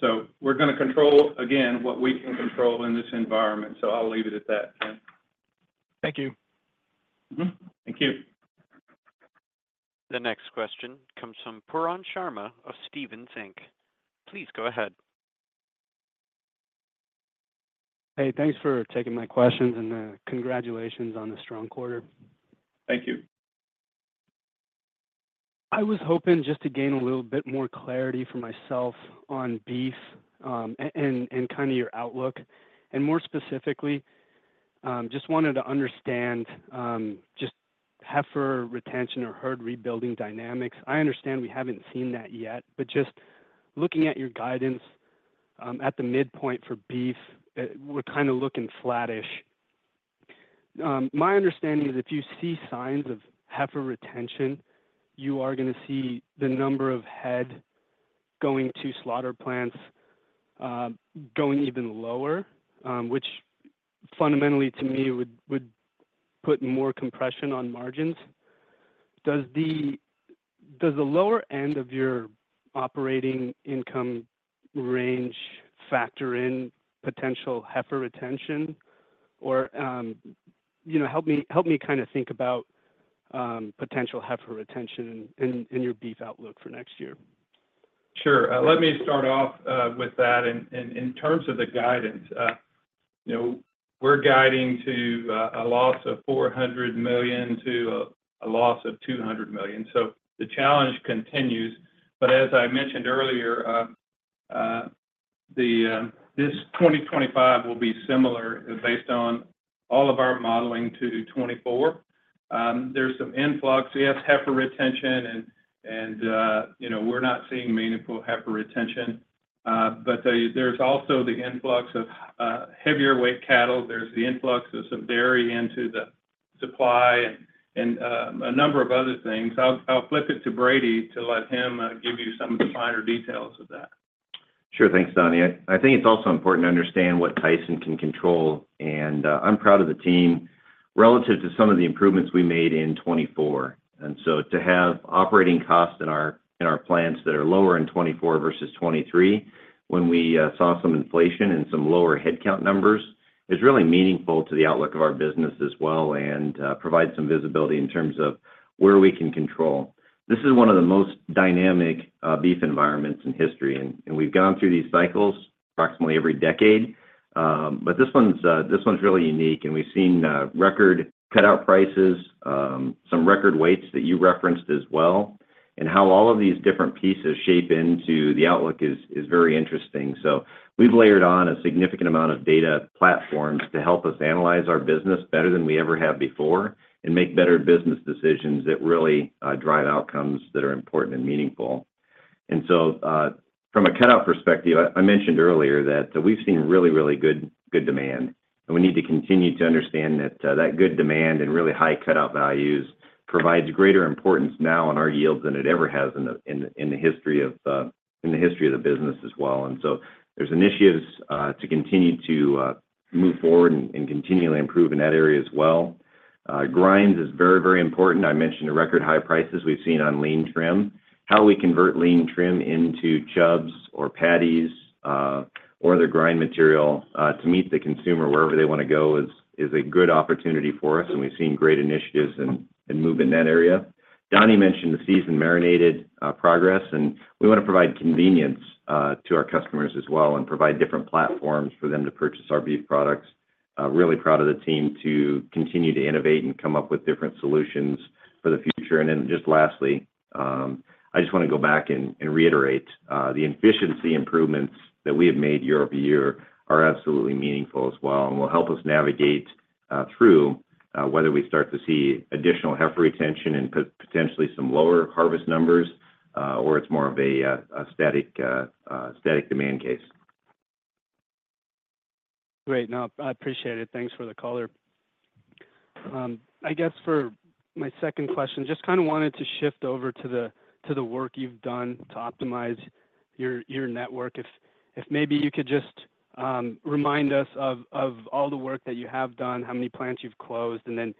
So we're going to control, again, what we can control in this environment. So I'll leave it at that, Ken. Thank you. Thank you. The next question comes from Pooran Sharma of Stephens Inc. Please go ahead. Hey, thanks for taking my questions and congratulations on the strong quarter. Thank you. I was hoping just to gain a little bit more clarity for myself on beef and kind of your outlook. And more specifically, just wanted to understand just heifer retention or herd rebuilding dynamics. I understand we haven't seen that yet, but just looking at your guidance at the midpoint for beef, we're kind of looking flattish. My understanding is if you see signs of heifer retention, you are going to see the number of head going to slaughter plants going even lower, which fundamentally, to me, would put more compression on margins. Does the lower end of your operating income range factor in potential heifer retention? Or help me kind of think about potential heifer retention and your beef outlook for next year. Sure. Let me start off with that. And in terms of the guidance, we're guiding to a loss of $400 million to a loss of $200 million. So the challenge continues. But as I mentioned earlier, this 2025 will be similar based on all of our modeling to 2024. There's some influx of heifer retention, and we're not seeing meaningful heifer retention. But there's also the influx of heavier weight cattle. There's the influx of some dairy into the supply and a number of other things. I'll flip it to Brady to let him give you some of the finer details of that. Sure. Thanks, Donnie. I think it's also important to understand what Tyson can control, and I'm proud of the team relative to some of the improvements we made in 2024. And so to have operating costs in our plants that are lower in 2024 versus 2023 when we saw some inflation and some lower headcount numbers is really meaningful to the outlook of our business as well and provides some visibility in terms of where we can control. This is one of the most dynamic beef environments in history, and we've gone through these cycles approximately every decade. But this one's really unique, and we've seen record cutout prices, some record weights that you referenced as well. How all of these different pieces shape into the outlook is very interesting. We've layered on a significant amount of data platforms to help us analyze our business better than we ever have before and make better business decisions that really drive outcomes that are important and meaningful. From a cutout perspective, I mentioned earlier that we've seen really, really good demand. We need to continue to understand that that good demand and really high cutout values provides greater importance now on our yields than it ever has in the history of the business as well. There's initiatives to continue to move forward and continually improve in that area as well. Grinds is very, very important. I mentioned the record high prices we've seen on lean trim. How we convert lean trim into chubs or patties or other grind material to meet the consumer wherever they want to go is a good opportunity for us. We've seen great initiatives and moves in that area. Donnie mentioned the seasoned, marinated products. We want to provide convenience to our customers as well and provide different platforms for them to purchase our beef products. Really proud of the team to continue to innovate and come up with different solutions for the future. Then just lastly, I just want to go back and reiterate the efficiency improvements that we have made year-over-year are absolutely meaningful as well and will help us navigate through whether we start to see additional heifer retention and potentially some lower harvest numbers or it's more of a static demand case. Great. No, I appreciate it. Thanks for the caller. I guess for my second question, just kind of wanted to shift over to the work you've done to optimize your network. If maybe you could just remind us of all the work that you have done, how many plants you've closed, and then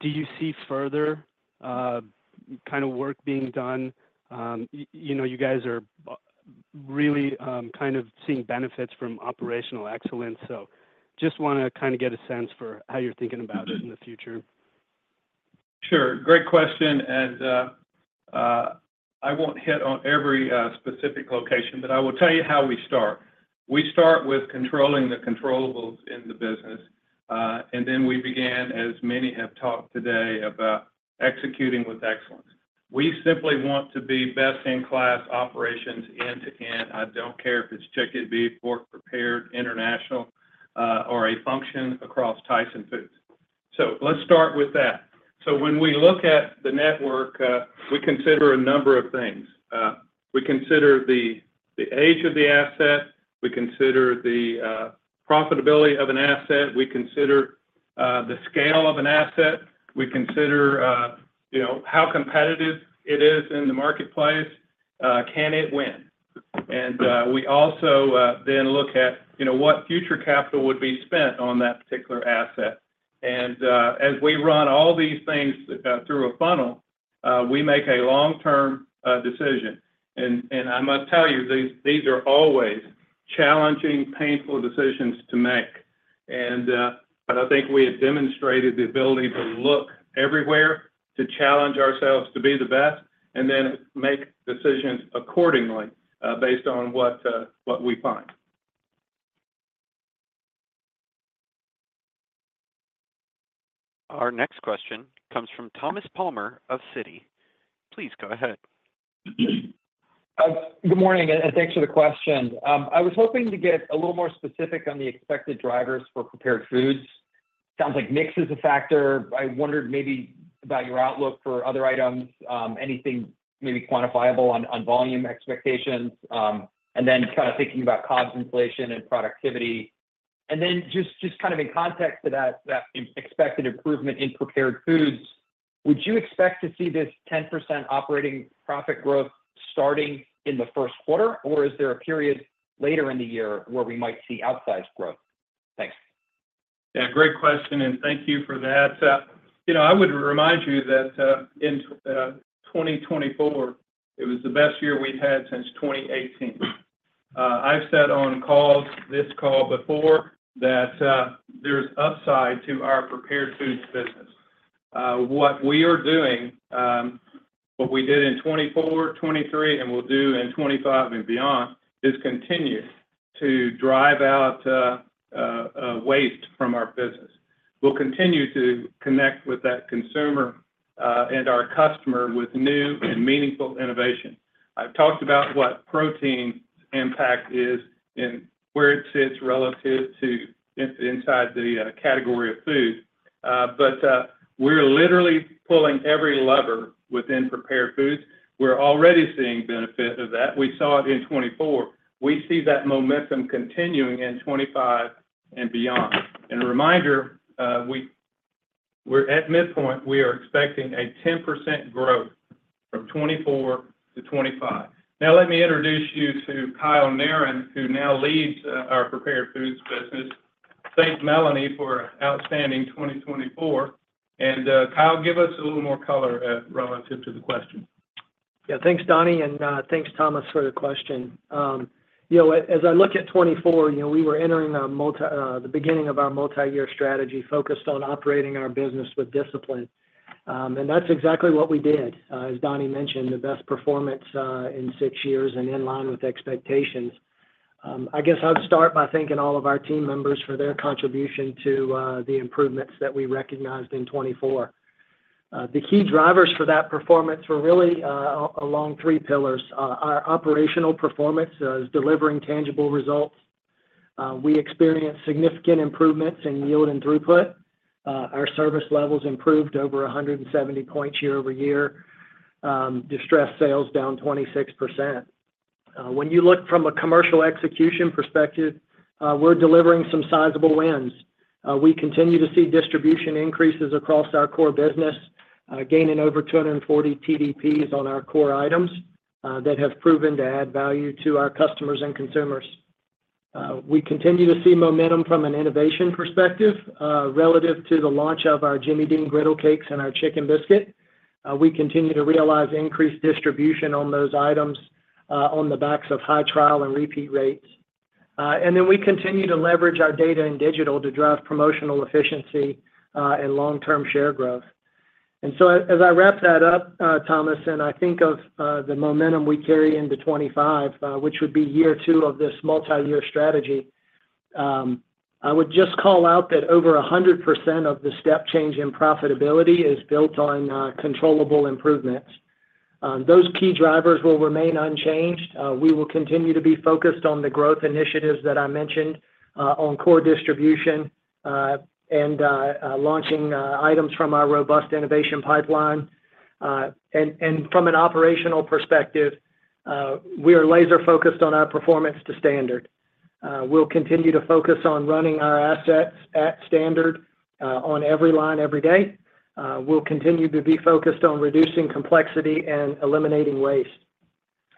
do you see further kind of work being done? You guys are really kind of seeing benefits from operational excellence. So just want to kind of get a sense for how you're thinking about it in the future. Sure. Great question. And I won't hit on every specific location, but I will tell you how we start. We start with controlling the controllables in the business. And then we began, as many have talked today, about executing with excellence. We simply want to be best-in-class operations end-to-end. I don't care if it's chicken, beef, pork, prepared, international, or a function across Tyson Foods. So let's start with that. So when we look at the network, we consider a number of things. We consider the age of the asset. We consider the profitability of an asset. We consider the scale of an asset. We consider how competitive it is in the marketplace. Can it win? And we also then look at what future capital would be spent on that particular asset. And as we run all these things through a funnel, we make a long-term decision. And I must tell you, these are always challenging, painful decisions to make. And I think we have demonstrated the ability to look everywhere, to challenge ourselves to be the best, and then make decisions accordingly based on what we find. Our next question comes from Thomas Palmer of Citi. Please go ahead. Good morning. And thanks for the question. I was hoping to get a little more specific on the expected drivers for prepared foods. Sounds like mix is a factor. I wondered maybe about your outlook for other items, anything maybe quantifiable on volume expectations, and then kind of thinking about cost inflation and productivity. And then just kind of in context to that expected improvement in prepared foods, would you expect to see this 10% operating profit growth starting in the first quarter, or is there a period later in the year where we might see outsized growth? Thanks. Yeah, great question. And thank you for that. I would remind you that in 2024, it was the best year we've had since 2018. I've said on calls, this call before, that there's upside to our prepared foods business. What we are doing, what we did in 2024, 2023, and will do in 2025 and beyond, is continue to drive out waste from our business. We'll continue to connect with that consumer and our customer with new and meaningful innovation. I've talked about what protein's impact is and where it sits relative to inside the category of food, but we're literally pulling every lever within prepared foods. We're already seeing benefit of that. We saw it in 2024. We see that momentum continuing in 2025 and beyond, and a reminder, we're at midpoint. We are expecting a 10% growth from 2024 to 2025. Now, let me introduce you to Kyle Narron, who now leads our prepared foods business. Thank Melanie for outstanding 2024. And Kyle, give us a little more color relative to the question. Yeah, thanks, Donnie, and thanks, Thomas, for the question. As I look at 2024, we were entering the beginning of our multi-year strategy focused on operating our business with discipline. And that's exactly what we did, as Donnie mentioned, the best performance in six years and in line with expectations. I guess I'll start by thanking all of our team members for their contribution to the improvements that we recognized in 2024. The key drivers for that performance were really along three pillars. Our operational performance is delivering tangible results. We experienced significant improvements in yield and throughput. Our service levels improved over 170 points year-over-year. Distressed sales down 26%. When you look from a commercial execution perspective, we're delivering some sizable wins. We continue to see distribution increases across our core business, gaining over 240 TDPs on our core items that have proven to add value to our customers and consumers. We continue to see momentum from an innovation perspective relative to the launch of our Jimmy Dean Griddle Cakes and our Chicken Biscuit. We continue to realize increased distribution on those items on the backs of high trial and repeat rates. And then we continue to leverage our data and digital to drive promotional efficiency and long-term share growth. And so as I wrap that up, Thomas, and I think of the momentum we carry into 2025, which would be year two of this multi-year strategy, I would just call out that over 100% of the step change in profitability is built on controllable improvements. Those key drivers will remain unchanged. We will continue to be focused on the growth initiatives that I mentioned on core distribution and launching items from our robust innovation pipeline. And from an operational perspective, we are laser-focused on our performance to standard. We'll continue to focus on running our assets at standard on every line every day. We'll continue to be focused on reducing complexity and eliminating waste.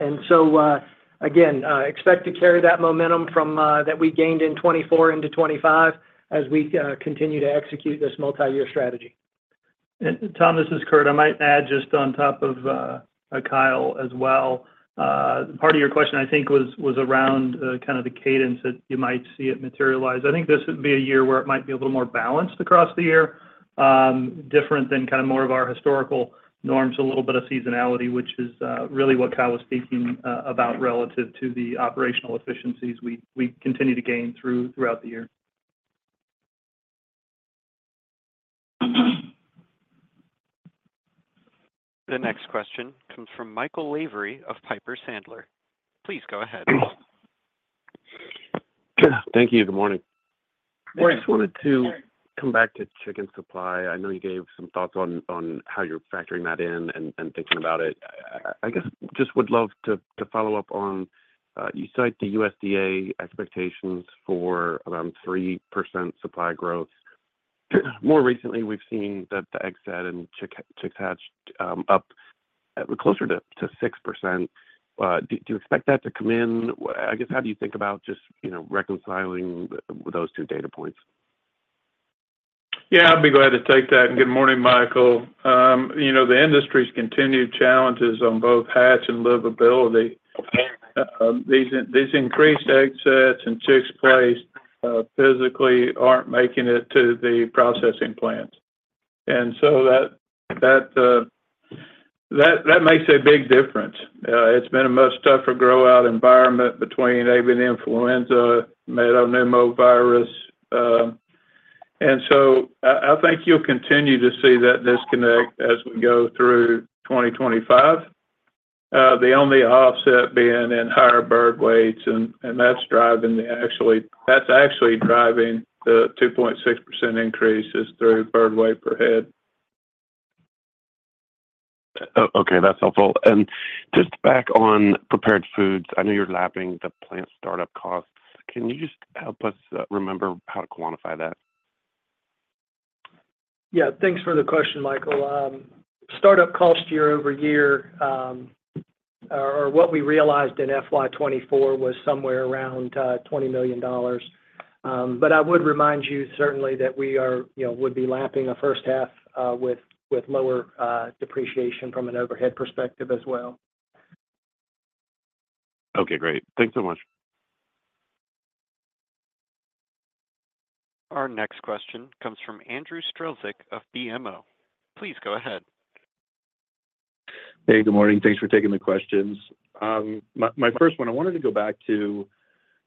And so again, expect to carry that momentum that we gained in 2024 into 2025 as we continue to execute this multi-year strategy. And Thomas, this is Curt. I might add just on top of Kyle as well. Part of your question, I think, was around kind of the cadence that you might see it materialize. I think this would be a year where it might be a little more balanced across the year, different than kind of more of our historical norms, a little bit of seasonality, which is really what Kyle was speaking about relative to the operational efficiencies we continue to gain throughout the year. The next question comes from Michael Lavery of Piper Sandler. Please go ahead. Thank you. Good morning. I just wanted to come back to chicken supply. I know you gave some thoughts on how you're factoring that in and thinking about it. I guess just would love to follow up on you cited the USDA expectations for around 3% supply growth. More recently, we've seen that the egg sets and chicks hatched up closer to 6%. Do you expect that to come in? I guess how do you think about just reconciling those two data points? Yeah, I'd be glad to take that. And good morning, Michael. The industry's continued challenges on both hatch and livability. These increased egg sets and chicks placed actually aren't making it to the processing plants. And so that makes a big difference. It's been a much tougher grow-out environment between avian influenza, metapneumovirus. And so I think you'll continue to see that disconnect as we go through 2025, the only offset being in higher bird weights. And that's actually driving the 2.6% increases through bird weight per head. Okay. That's helpful. And just back on prepared foods, I know you're lapping the plant startup costs. Can you just help us remember how to quantify that? Yeah. Thanks for the question, Michael. Startup cost year-over-year, or what we realized in FY 2024 was somewhere around $20 million. But I would remind you certainly that we would be lapping the first half with lower depreciation from an overhead perspective as well. Okay. Great. Thanks so much. Our next question comes from Andrew Strelzik of BMO. Please go ahead. Hey, good morning. Thanks for taking the questions. My first one, I wanted to go back to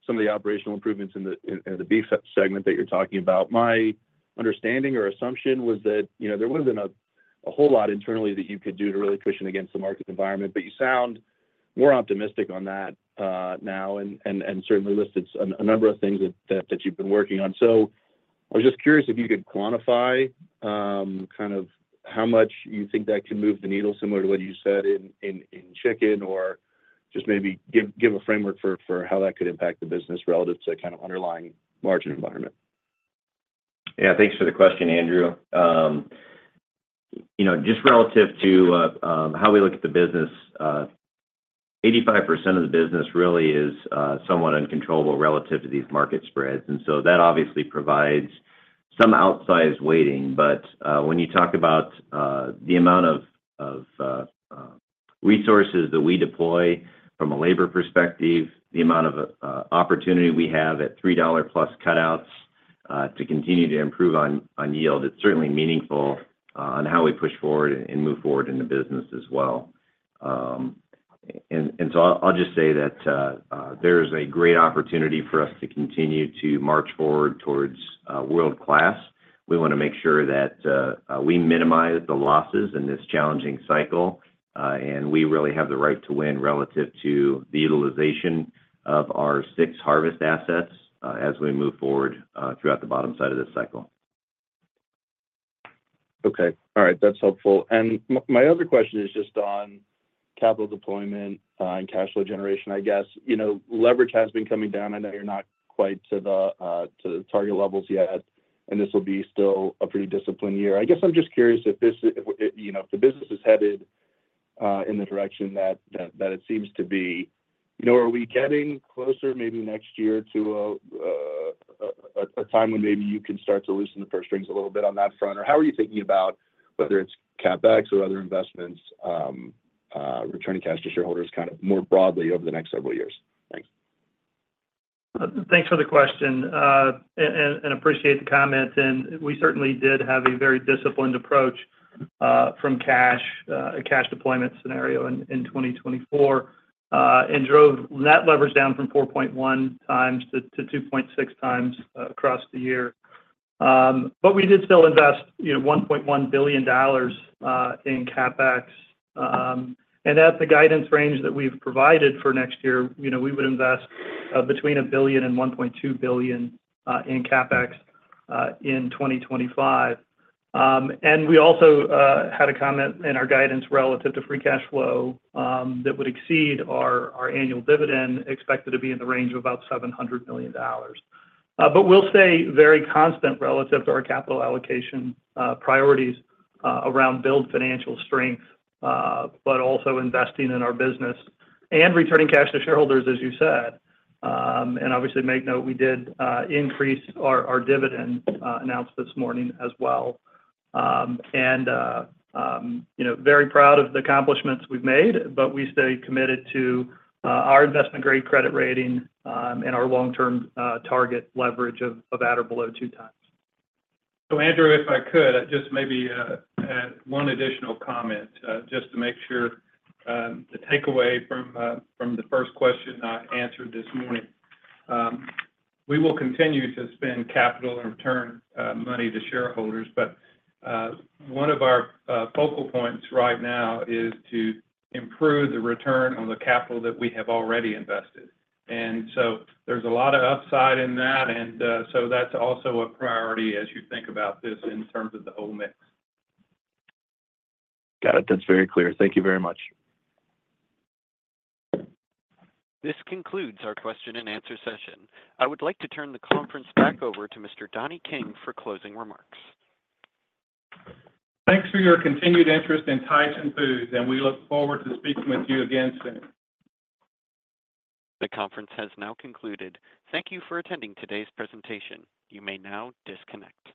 some of the operational improvements in the beef segment that you're talking about. My understanding or assumption was that there wasn't a whole lot internally that you could do to really push it against the market environment. But you sound more optimistic on that now and certainly listed a number of things that you've been working on. So I was just curious if you could quantify kind of how much you think that can move the needle similar to what you said in chicken or just maybe give a framework for how that could impact the business relative to kind of underlying margin environment. Yeah. Thanks for the question, Andrew. Just relative to how we look at the business, 85% of the business really is somewhat uncontrollable relative to these market spreads. And so that obviously provides some outsized weighting. But when you talk about the amount of resources that we deploy from a labor perspective, the amount of opportunity we have at $3 plus cutouts to continue to improve on yield, it's certainly meaningful on how we push forward and move forward in the business as well. And so I'll just say that there is a great opportunity for us to continue to march forward towards world-class. We want to make sure that we minimize the losses in this challenging cycle. And we really have the right to win relative to the utilization of our six harvest assets as we move forward throughout the bottom side of this cycle. Okay. All right. That's helpful. And my other question is just on capital deployment and cash flow generation, I guess. Leverage has been coming down. I know you're not quite to the target levels yet. And this will be still a pretty disciplined year. I guess I'm just curious if the business is headed in the direction that it seems to be. Are we getting closer maybe next year to a time when maybe you can start to loosen the purse strings a little bit on that front? Or how are you thinking about whether it's CapEx or other investments, returning cash to shareholders kind of more broadly over the next several years? Thanks. Thanks for the question. And appreciate the comment. And we certainly did have a very disciplined approach from cash deployment scenario in 2024 and drove that leverage down from 4.1x-2.6x across the year. But we did still invest $1.1 billion in CapEx. And at the guidance range that we've provided for next year, we would invest between $1 billion and $1.2 billion in CapEx in 2025. We also had a comment in our guidance relative to free cash flow that would exceed our annual dividend, expected to be in the range of about $700 million. We'll stay very consistent relative to our capital allocation priorities around building financial strength, but also investing in our business and returning cash to shareholders, as you said. Obviously, take note, we did increase our dividend announced this morning as well. Very proud of the accomplishments we've made, but we stay committed to our investment-grade credit rating and our long-term target leverage of at or below two times. Andrew, if I could, just maybe add one additional comment just to make sure the takeaway from the first question I answered this morning. We will continue to spend capital and return money to shareholders. But one of our focal points right now is to improve the return on the capital that we have already invested. And so there's a lot of upside in that. And so that's also a priority as you think about this in terms of the whole mix. Got it. That's very clear. Thank you very much. This concludes our question and answer session. I would like to turn the conference back over to Mr. Donnie King for closing remarks. Thanks for your continued interest in Tyson Foods. And we look forward to speaking with you again soon. The conference has now concluded. Thank you for attending today's presentation. You may now disconnect.